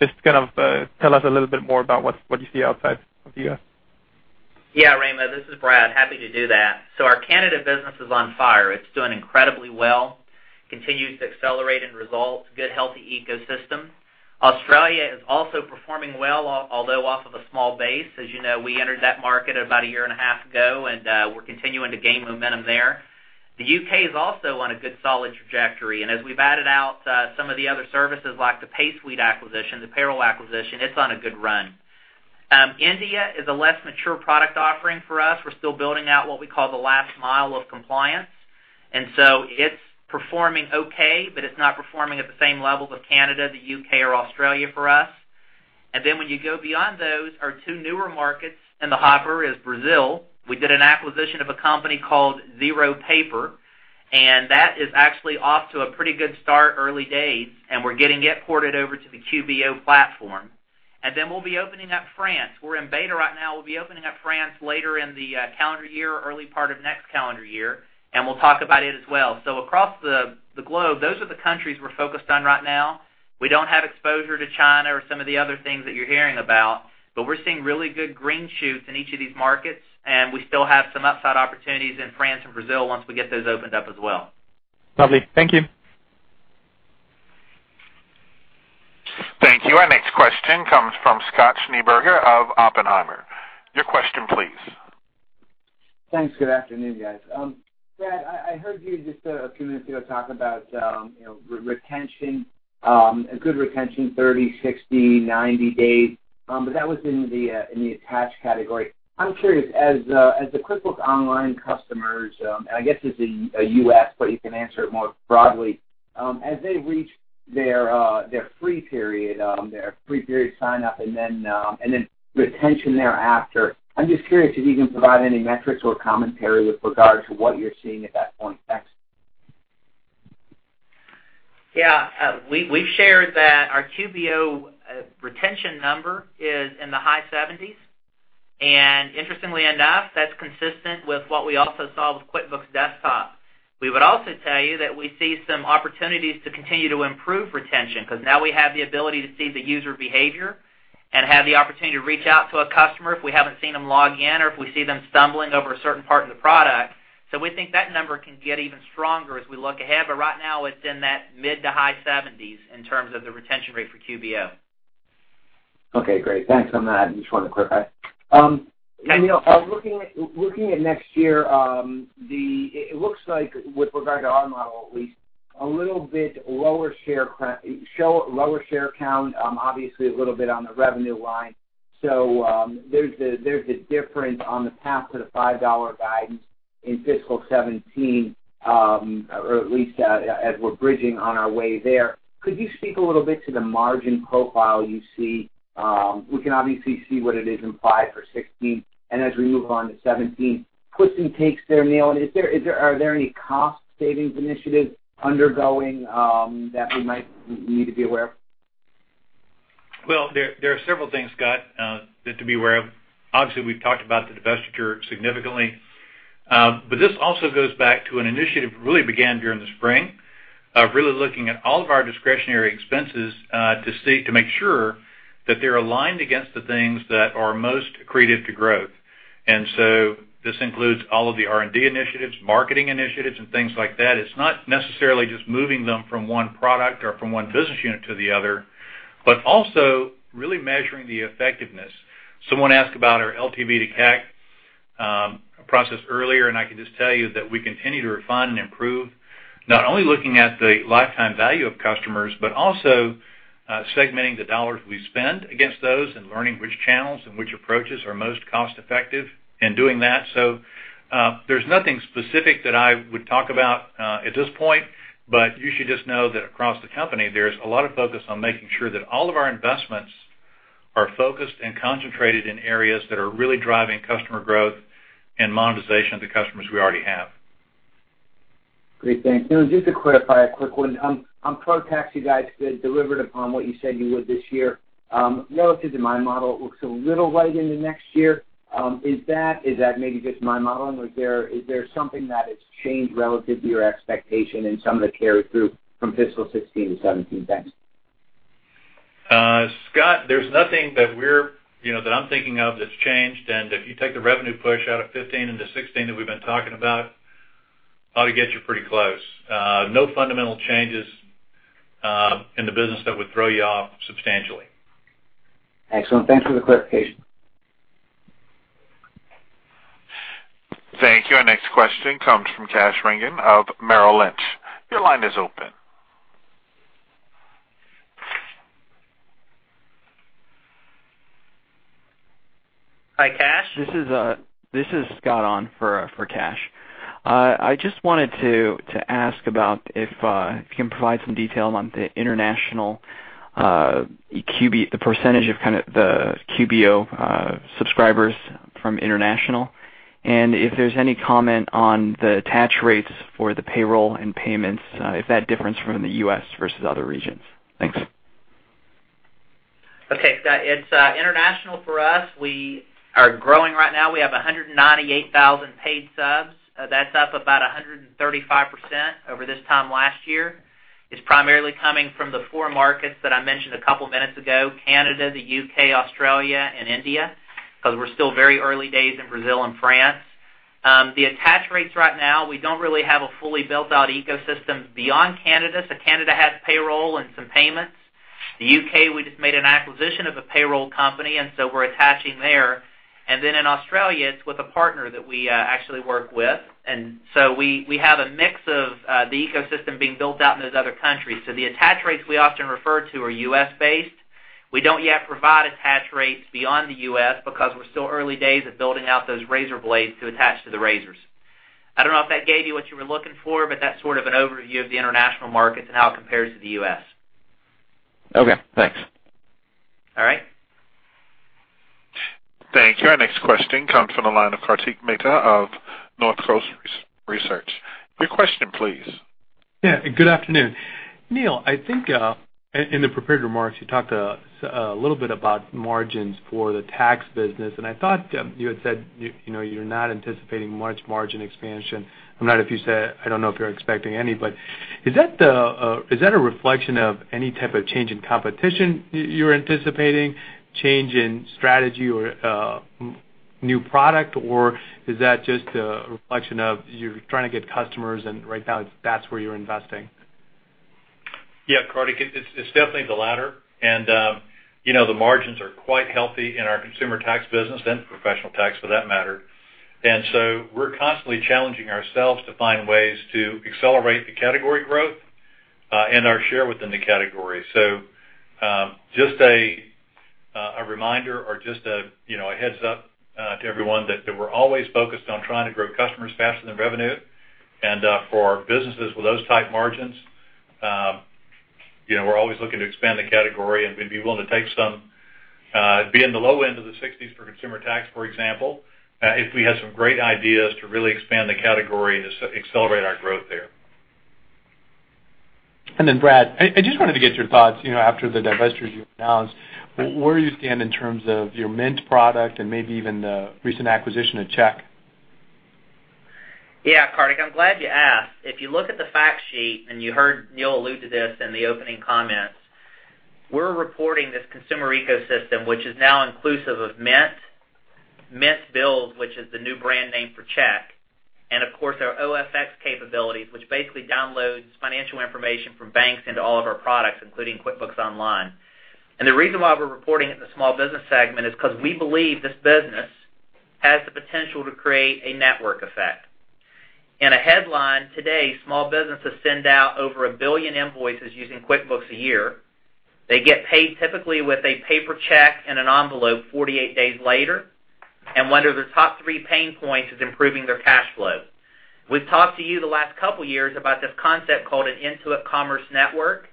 just kind of tell us a little bit more about what you see outside of the U.S. Yeah, Raimo, this is Brad. Happy to do that. Our Canada business is on fire. It's doing incredibly well, continues to accelerate in results, good, healthy ecosystem. Australia is also performing well, although off of a small base. As you know, we entered that market about a year and a half ago, and we're continuing to gain momentum there. The U.K. is also on a good, solid trajectory, and as we've added out some of the other services like the PaySuite acquisition, the payroll acquisition, it's on a good run. India is a less mature product offering for us. We're still building out what we call the last mile of compliance, and so it's performing okay, but it's not performing at the same levels of Canada, the U.K., or Australia for us. When you go beyond those, our two newer markets in the hopper is Brazil. We did an acquisition of a company called ZeroPaper. That is actually off to a pretty good start, early days, and we're getting it ported over to the QBO platform. We'll be opening up France. We're in beta right now. We'll be opening up France later in the calendar year, early part of next calendar year. We'll talk about it as well. Across the globe, those are the countries we're focused on right now. We don't have exposure to China or some of the other things that you're hearing about. We're seeing really good green shoots in each of these markets, and we still have some upside opportunities in France and Brazil once we get those opened up as well. Lovely. Thank you. Thank you. Our next question comes from Scott Schneeberger of Oppenheimer. Your question please. Thanks. Good afternoon, guys. Brad, I heard you just a few minutes ago talk about good retention, 30, 60, 90 days. That was in the attach category. I'm curious, as the QuickBooks Online customers, and I guess this is U.S., you can answer it more broadly, as they reach their free period sign-up and then retention thereafter, I'm just curious if you can provide any metrics or commentary with regard to what you're seeing at that point. Thanks. Yeah. We've shared that our QBO retention number is in the high 70s. Interestingly enough, that's consistent with what we also saw with QuickBooks Desktop. We would also tell you that we see some opportunities to continue to improve retention, because now we have the ability to see the user behavior and have the opportunity to reach out to a customer if we haven't seen them log in or if we see them stumbling over a certain part of the product. We think that number can get even stronger as we look ahead. Right now, it's in that mid to high 70s in terms of the retention rate for QBO. Okay, great. Thanks on that. Just wanted to clarify. Neil, looking at next year, it looks like with regard to our model, at least, a little bit lower share count, obviously a little bit on the revenue line. There's a difference on the path to the $5 guidance in fiscal 2017, or at least as we're bridging on our way there. Could you speak a little bit to the margin profile you see? We can obviously see what it is in fiscal 2016, and as we move on to 2017, puts and takes there, Neil. Are there any cost savings initiatives undergoing that we might need to be aware of? Well, there are several things, Scott, to be aware of. Obviously, we've talked about the divestiture significantly. This also goes back to an initiative that really began during the spring, of really looking at all of our discretionary expenses, to make sure that they're aligned against the things that are most accretive to growth. This includes all of the R&D initiatives, marketing initiatives, and things like that. It's not necessarily just moving them from one product or from one business unit to the other, but also really measuring the effectiveness. Someone asked about our LTV to CAC process earlier, I can just tell you that we continue to refine and improve, not only looking at the lifetime value of customers, but also segmenting the dollars we spend against those and learning which channels and which approaches are most cost-effective in doing that. There's nothing specific that I would talk about at this point, you should just know that across the company, there's a lot of focus on making sure that all of our investments are focused and concentrated in areas that are really driving customer growth and monetization of the customers we already have. Great. Thanks, Neil. Just to clarify, a quick one. On Pro Tax, you guys delivered upon what you said you would this year. Relative to my model, it looks a little light in the next year. Is that maybe just my model, or is there something that has changed relative to your expectation in some of the carry-through from fiscal 2016 to 2017? Thanks. Scott, there's nothing that I'm thinking of that's changed. If you take the revenue push out of 2015 into 2016 that we've been talking about, ought to get you pretty close. No fundamental changes in the business that would throw you off substantially. Excellent. Thanks for the clarification. Thank you. Our next question comes from Kash Rangan of Merrill Lynch. Your line is open. Hi, Kash. This is Scott on for Kash. I just wanted to ask about if you can provide some detail on the international QBO, the percentage of the QBO subscribers from international, and if there's any comment on the attach rates for the payroll and payments, if that difference from the U.S. versus other regions. Thanks. Okay. It's international for us. We are growing right now. We have 198,000 paid subs. That's up about 135% over this time last year. It's primarily coming from the four markets that I mentioned a couple of minutes ago, Canada, the U.K., Australia, and India, because we're still very early days in Brazil and France. The attach rates right now, we don't really have a fully built-out ecosystem beyond Canada. Canada has payroll and some payments. The U.K., we just made an acquisition of a payroll company, and we're attaching there. In Australia, it's with a partner that we actually work with. We have a mix of the ecosystem being built out in those other countries. The attach rates we often refer to are U.S.-based. We don't yet provide attach rates beyond the U.S. because we're still early days of building out those razor blades to attach to the razors. I don't know if that gave you what you were looking for, but that's sort of an overview of the international markets and how it compares to the U.S. Okay, thanks. All right. Thank you. Our next question comes from the line of Kartik Mehta of Northcoast Research. Your question, please. Yeah, good afternoon. Neil, I think in the prepared remarks, you talked a little bit about margins for the tax business. I thought you had said you're not anticipating much margin expansion. I don't know if you're expecting any, is that a reflection of any type of change in competition you're anticipating, change in strategy or new product, or is that just a reflection of you're trying to get customers and right now that's where you're investing? Yeah, Kartik, it's definitely the latter. The margins are quite healthy in our consumer tax business and professional tax, for that matter. We're constantly challenging ourselves to find ways to accelerate the category growth and our share within the category. Just a reminder or just a heads-up to everyone that we're always focused on trying to grow customers faster than revenue. For businesses with those type margins, we're always looking to expand the category, and we'd be willing to take some, be in the low end of the 60s for consumer tax, for example, if we had some great ideas to really expand the category and accelerate our growth there. Brad, I just wanted to get your thoughts after the divestiture you announced, where you stand in terms of your Mint product and maybe even the recent acquisition of Check. Yeah, Kartik, I'm glad you asked. If you look at the fact sheet, and you heard Neil allude to this in the opening comments, we're reporting this consumer ecosystem, which is now inclusive of Mint Bills, which is the new brand name for Check, and of course, our OFX capabilities, which basically downloads financial information from banks into all of our products, including QuickBooks Online. The reason why we're reporting it in the small business segment is because we believe this business has the potential to create a network effect. In a headline today, small businesses send out over 1 billion invoices using QuickBooks a year. They get paid typically with a paper check in an envelope 48 days later, and one of their top 3 pain points is improving their cash flow. We've talked to you the last couple of years about this concept called an Intuit Commerce Network.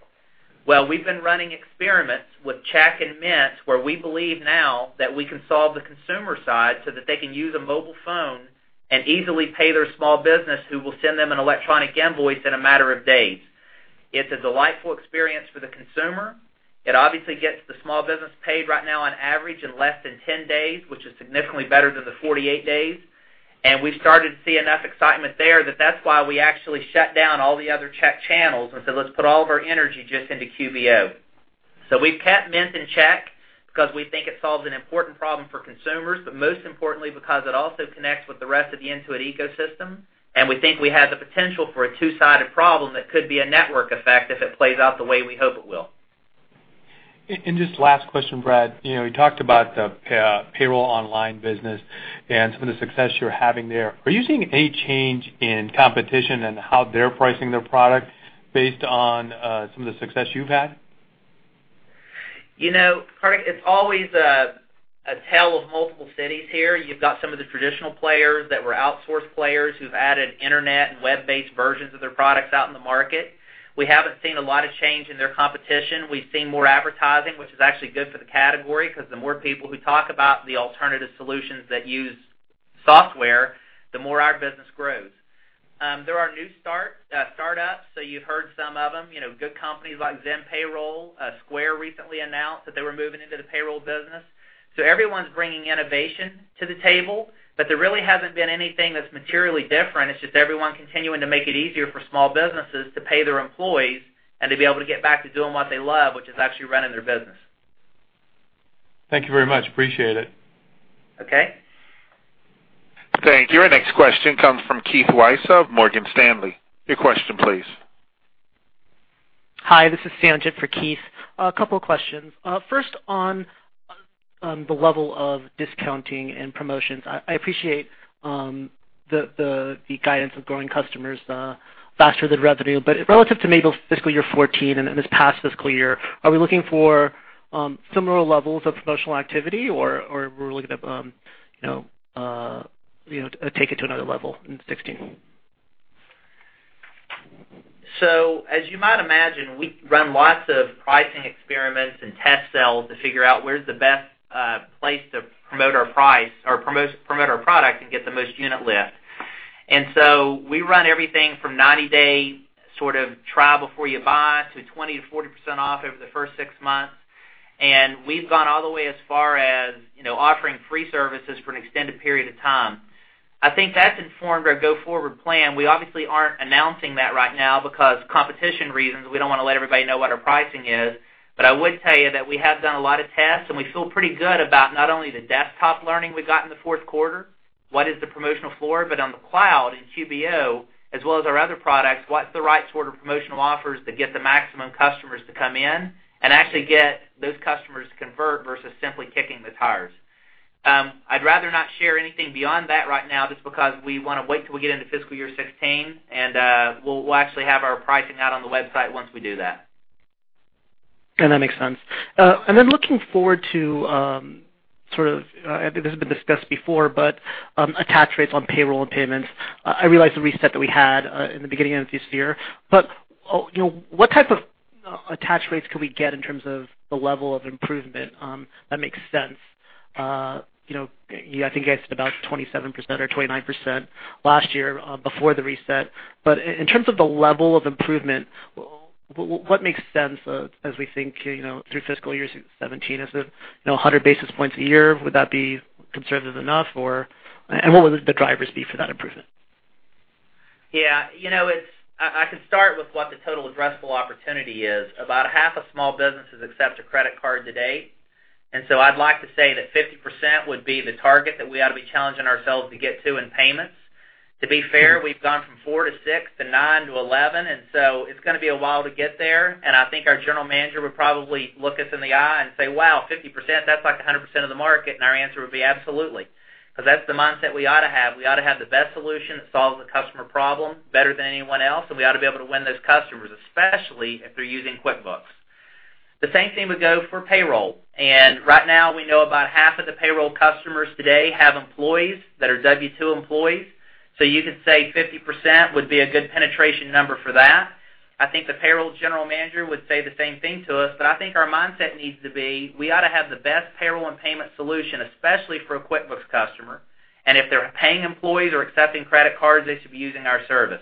Well, we've been running experiments with Check and Mint, where we believe now that we can solve the consumer side so that they can use a mobile phone and easily pay their small business, who will send them an electronic invoice in a matter of days. It's a delightful experience for the consumer. It obviously gets the small business paid right now on average in less than 10 days, which is significantly better than the 48 days. We started to see enough excitement there that that's why we actually shut down all the other Check channels and said, "Let's put all of our energy just into QBO." We've kept Mint in check because we think it solves an important problem for consumers, but most importantly, because it also connects with the rest of the Intuit ecosystem, and we think we have the potential for a two-sided problem that could be a network effect if it plays out the way we hope it will. Just last question, Brad. You talked about the payroll online business and some of the success you're having there. Are you seeing any change in competition and how they're pricing their product based on some of the success you've had? Craig, it's always a tale of multiple cities here. You've got some of the traditional players that were outsourced players who've added internet and web-based versions of their products out in the market. We haven't seen a lot of change in their competition. We've seen more advertising, which is actually good for the category, because the more people who talk about the alternative solutions that use software, the more our business grows. There are new startups, you've heard some of them, good companies like ZenPayroll. Square recently announced that they were moving into the payroll business. Everyone's bringing innovation to the table, but there really hasn't been anything that's materially different. It's just everyone continuing to make it easier for small businesses to pay their employees and to be able to get back to doing what they love, which is actually running their business. Thank you very much. Appreciate it. Okay. Thank you. Our next question comes from Keith Weiss of Morgan Stanley. Your question please. Hi, this is Sanjit for Keith. A couple questions. First, on the level of discounting and promotions. I appreciate the guidance of growing customers faster than revenue, relative to maybe fiscal year 2014 and this past fiscal year, are we looking for similar levels of promotional activity, or we're looking to take it to another level in 2016? As you might imagine, we run lots of pricing experiments and test sells to figure out where's the best place to promote our price or promote our product and get the most unit lift. We run everything from 90-day sort of try before you buy to 20%-40% off over the first six months. We've gone all the way as far as offering free services for an extended period of time. I think that's informed our go-forward plan. We obviously aren't announcing that right now because competition reasons, we don't want to let everybody know what our pricing is. I would tell you that we have done a lot of tests, and we feel pretty good about not only the desktop learning we got in the fourth quarter, what is the promotional floor, but on the cloud, in QBO, as well as our other products, what's the right sort of promotional offers to get the maximum customers to come in and actually get those customers to convert versus simply kicking the tires. I'd rather not share anything beyond that right now, just because we want to wait till we get into fiscal year 2016, and we'll actually have our pricing out on the website once we do that. That makes sense. Looking forward to, this has been discussed before, attach rates on payroll and payments. I realize the reset that we had in the beginning of this year, what type of attach rates could we get in terms of the level of improvement that makes sense? I think I said about 27% or 29% last year before the reset. In terms of the level of improvement, what makes sense as we think through fiscal year 2017? Is it 100 basis points a year? Would that be conservative enough, or what would the drivers be for that improvement? I can start with what the total addressable opportunity is. About half of small businesses accept a credit card to date, I'd like to say that 50% would be the target that we ought to be challenging ourselves to get to in payments. To be fair, we've gone from four to six to nine to 11, it's going to be a while to get there, I think our general manager would probably look us in the eye and say, "Wow, 50%, that's like 100% of the market." Our answer would be absolutely, because that's the mindset we ought to have. We ought to have the best solution that solves the customer problem better than anyone else, we ought to be able to win those customers, especially if they're using QuickBooks. The same thing would go for payroll. Right now, we know about half of the payroll customers today have employees that are W2 employees. You could say 50% would be a good penetration number for that. I think the payroll general manager would say the same thing to us, I think our mindset needs to be, we ought to have the best payroll and payment solution, especially for a QuickBooks customer. If they're paying employees or accepting credit cards, they should be using our service.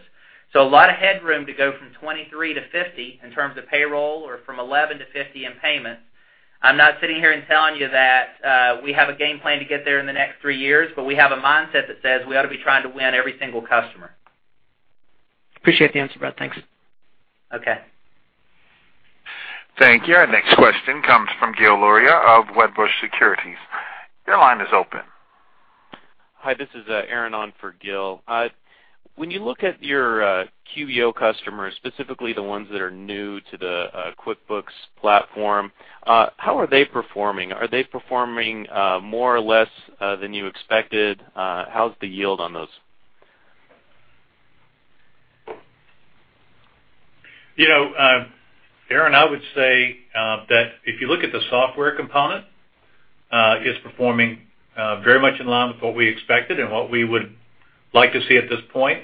A lot of headroom to go from 23 to 50 in terms of payroll or from 11 to 50 in payments. I'm not sitting here telling you that we have a game plan to get there in the next three years, we have a mindset that says we ought to be trying to win every single customer. Appreciate the answer, Brad. Thanks. Okay. Thank you. Our next question comes from Gil Luria of Wedbush Securities. Your line is open. Hi, this is Aaron on for Gil. When you look at your QBO customers, specifically the ones that are new to the QuickBooks platform, how are they performing? Are they performing more or less than you expected? How's the yield on those? Aaron, I would say that if you look at the software component, it's performing very much in line with what we expected and what we would like to see at this point.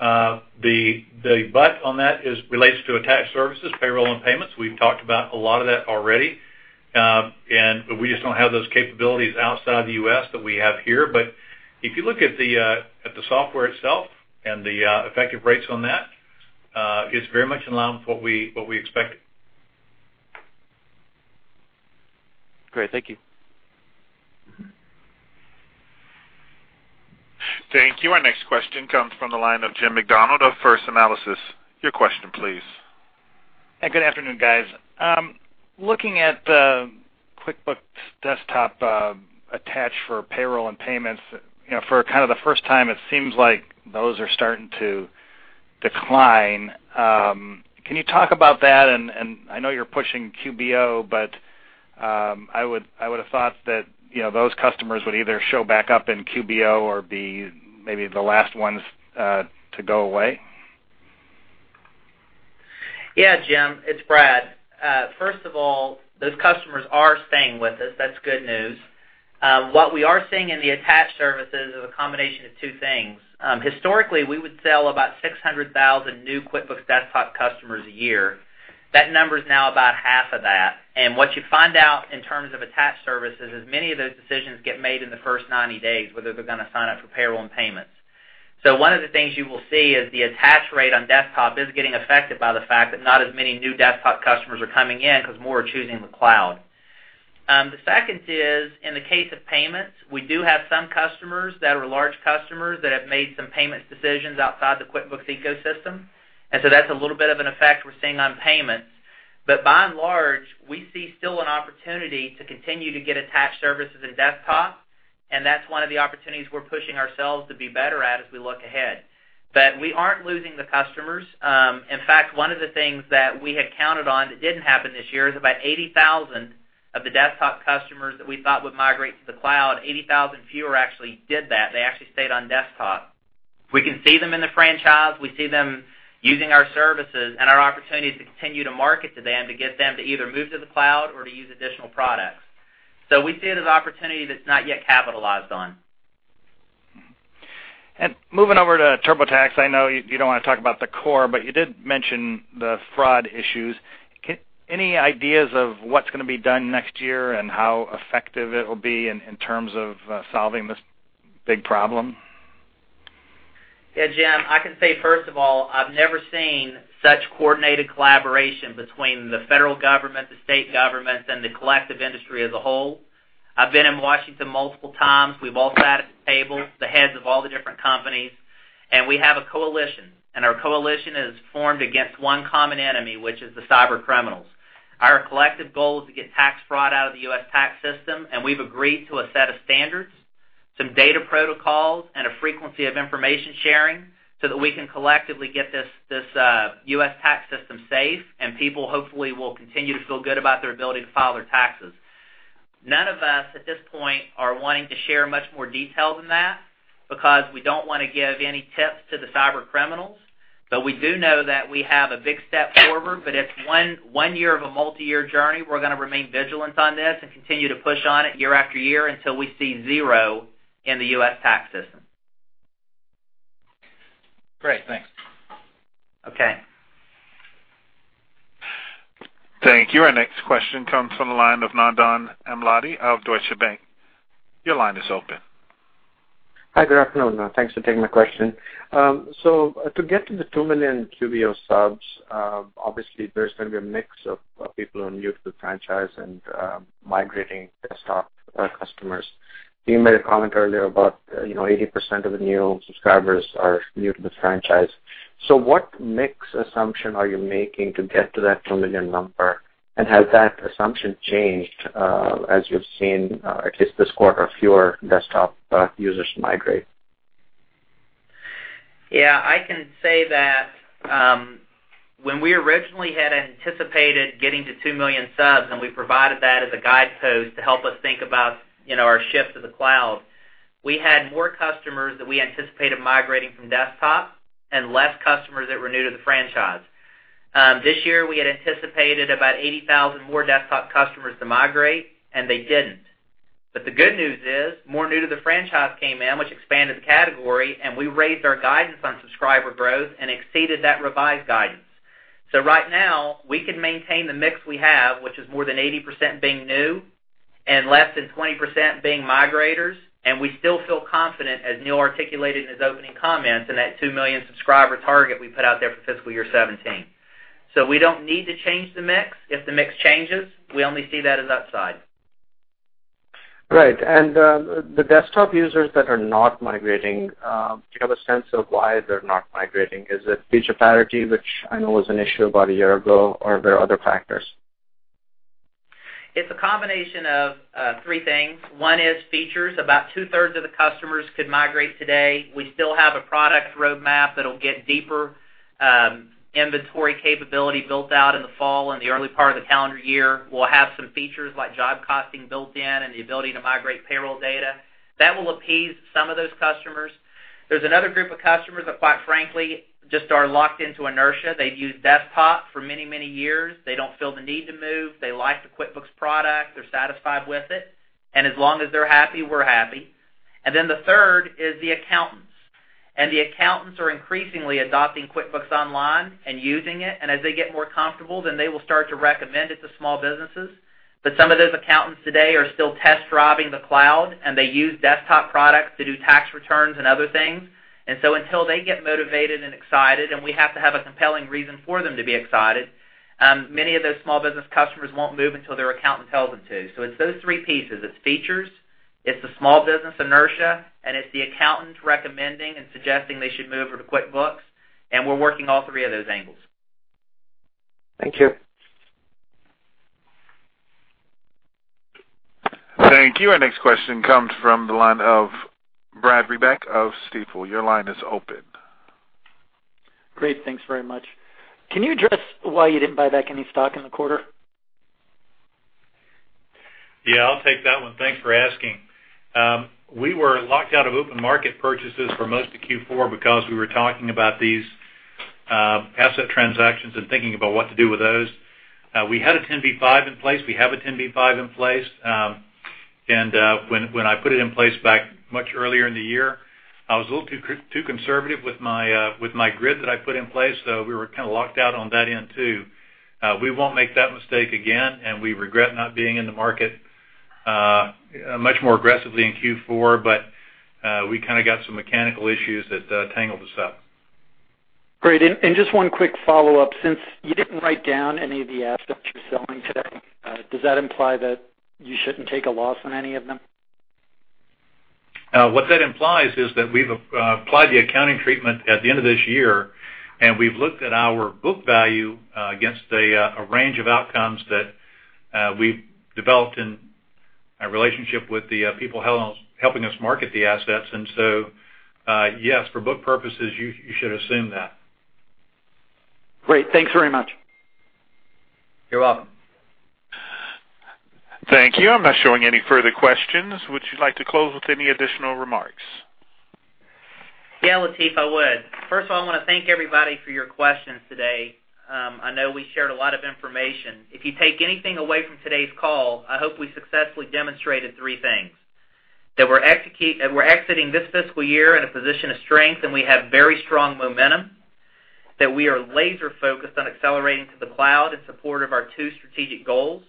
The but on that is relates to attached services, payroll, and payments. We've talked about a lot of that already. We just don't have those capabilities outside the U.S. that we have here. If you look at the software itself and the effective rates on that, it's very much in line with what we expected. Great. Thank you. Thank you. Our next question comes from the line of Jim Macdonald of First Analysis. Your question, please. Good afternoon, guys. Looking at the QuickBooks Desktop attach for payroll and payments, for kind of the first time, it seems like those are starting to decline. Can you talk about that? I know you're pushing QBO, but I would've thought that those customers would either show back up in QBO or be maybe the last ones to go away. Yeah, Jim. It's Brad. First of all, those customers are staying with us. That's good news. What we are seeing in the attached services is a combination of two things. Historically, we would sell about 600,000 new QuickBooks Desktop customers a year. That number is now about half of that. What you find out in terms of attached services is many of those decisions get made in the first 90 days, whether they're going to sign up for payroll and payments. One of the things you will see is the attach rate on Desktop is getting affected by the fact that not as many new Desktop customers are coming in because more are choosing the cloud. The second is, in the case of payments, we do have some customers that are large customers that have made some payments decisions outside the QuickBooks ecosystem. That's a little bit of an effect we're seeing on payments. By and large, we see still an opportunity to continue to get attached services in Desktop, and that's one of the opportunities we're pushing ourselves to be better at as we look ahead. We aren't losing the customers. In fact, one of the things that we had counted on that didn't happen this year is about 80,000 of the Desktop customers that we thought would migrate to the cloud, 80,000 fewer actually did that. They actually stayed on Desktop. We can see them in the franchise. We see them using our services and our opportunities to continue to market to them, to get them to either move to the cloud or to use additional products. We see it as an opportunity that's not yet capitalized on. Moving over to TurboTax, I know you don't want to talk about the core, but you did mention the fraud issues. Any ideas of what's going to be done next year and how effective it will be in terms of solving this big problem? Yeah, Jim. I can say, first of all, I've never seen such coordinated collaboration between the federal government, the state governments, and the collective industry as a whole. I've been in Washington multiple times. We've all sat at the table, the heads of all the different companies, and we have a coalition. Our coalition is formed against one common enemy, which is the cybercriminals. Our collective goal is to get tax fraud out of the U.S. tax system, and we've agreed to a set of standards, some data protocols, and a frequency of information sharing so that we can collectively get this U.S. tax system safe, and people hopefully will continue to feel good about their ability to file their taxes. None of us, at this point, are wanting to share much more detail than that because we don't want to give any tips to the cybercriminals. We do know that we have a big step forward, but it's one year of a multi-year journey. We're going to remain vigilant on this and continue to push on it year after year until we see zero in the U.S. tax system. Great. Thanks. Okay. Thank you. Our next question comes from the line of Nandan Amladi of Deutsche Bank. Your line is open. Hi. Good afternoon. Thanks for taking my question. To get to the 2 million QBO subs, obviously there's going to be a mix of people who are new to the franchise and migrating desktop customers. You made a comment earlier about 80% of the new subscribers are new to this franchise. What mix assumption are you making to get to that 2 million number? Has that assumption changed, as you've seen, at least this quarter, fewer desktop users migrate? Yeah. I can say that when we originally had anticipated getting to 2 million subs, we provided that as a guidepost to help us think about our shift to the cloud, we had more customers that we anticipated migrating from desktop and less customers that were new to the franchise. This year, we had anticipated about 80,000 more desktop customers to migrate, and they didn't. The good news is, more new to the franchise came in, which expanded the category, we raised our guidance on subscriber growth and exceeded that revised guidance. Right now, we can maintain the mix we have, which is more than 80% being new and less than 20% being migrators, and we still feel confident, as Neil articulated in his opening comments, in that 2 million subscriber target we put out there for fiscal year 2017. We don't need to change the mix. If the mix changes, we only see that as upside. Right. The desktop users that are not migrating, do you have a sense of why they're not migrating? Is it feature parity, which I know was an issue about a year ago, or are there other factors? It's a combination of three things. One is features. About two-thirds of the customers could migrate today. We still have a product roadmap that'll get deeper inventory capability built out in the fall. In the early part of the calendar year, we'll have some features like job costing built in and the ability to migrate payroll data. That will appease some of those customers. There's another group of customers that, quite frankly, just are locked into inertia. They've used desktop for many, many years. They don't feel the need to move. They like the QuickBooks product. They're satisfied with it. As long as they're happy, we're happy. The third is the accountants. The accountants are increasingly adopting QuickBooks Online and using it. As they get more comfortable, then they will start to recommend it to small businesses. Some of those accountants today are still test driving the cloud, and they use desktop products to do tax returns and other things. Until they get motivated and excited, and we have to have a compelling reason for them to be excited, many of those small business customers won't move until their accountant tells them to. It's those three pieces. It's features, it's the small business inertia, and it's the accountant recommending and suggesting they should move over to QuickBooks, we're working all three of those angles. Thank you. Thank you. Our next question comes from the line of Brad Reback of Stifel. Your line is open. Great. Thanks very much. Can you address why you didn't buy back any stock in the quarter? Yeah, I'll take that one. Thanks for asking. We were locked out of open market purchases for most of Q4 because we were talking about these asset transactions and thinking about what to do with those. We had a 10b5-1 in place. We have a 10b5-1 in place. When I put it in place back much earlier in the year, I was a little too conservative with my grid that I put in place, so we were kind of locked out on that end, too. We won't make that mistake again, and we regret not being in the market much more aggressively in Q4. We kind of got some mechanical issues that tangled us up. Great. Just one quick follow-up. Since you didn't write down any of the assets you're selling today, does that imply that you shouldn't take a loss on any of them? What that implies is that we've applied the accounting treatment at the end of this year, and we've looked at our book value against a range of outcomes that we've developed in our relationship with the people helping us market the assets. Yes, for book purposes, you should assume that. Great. Thanks very much. You're welcome. Thank you. I'm not showing any further questions. Would you like to close with any additional remarks? Yeah, Latif, I would. First of all, I want to thank everybody for your questions today. I know we shared a lot of information. If you take anything away from today's call, I hope we successfully demonstrated three things. That we're exiting this fiscal year in a position of strength, and we have very strong momentum. That we are laser-focused on accelerating to the cloud in support of our two strategic goals.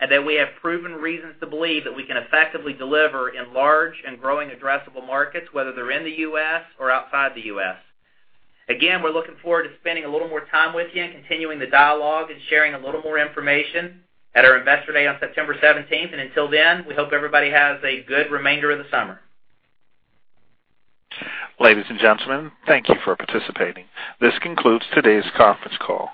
That we have proven reasons to believe that we can effectively deliver in large and growing addressable markets, whether they're in the U.S. or outside the U.S. Again, we're looking forward to spending a little more time with you and continuing the dialogue and sharing a little more information at our Investor Day on September 17th. Until then, we hope everybody has a good remainder of the summer. Ladies and gentlemen, thank you for participating. This concludes today's conference call.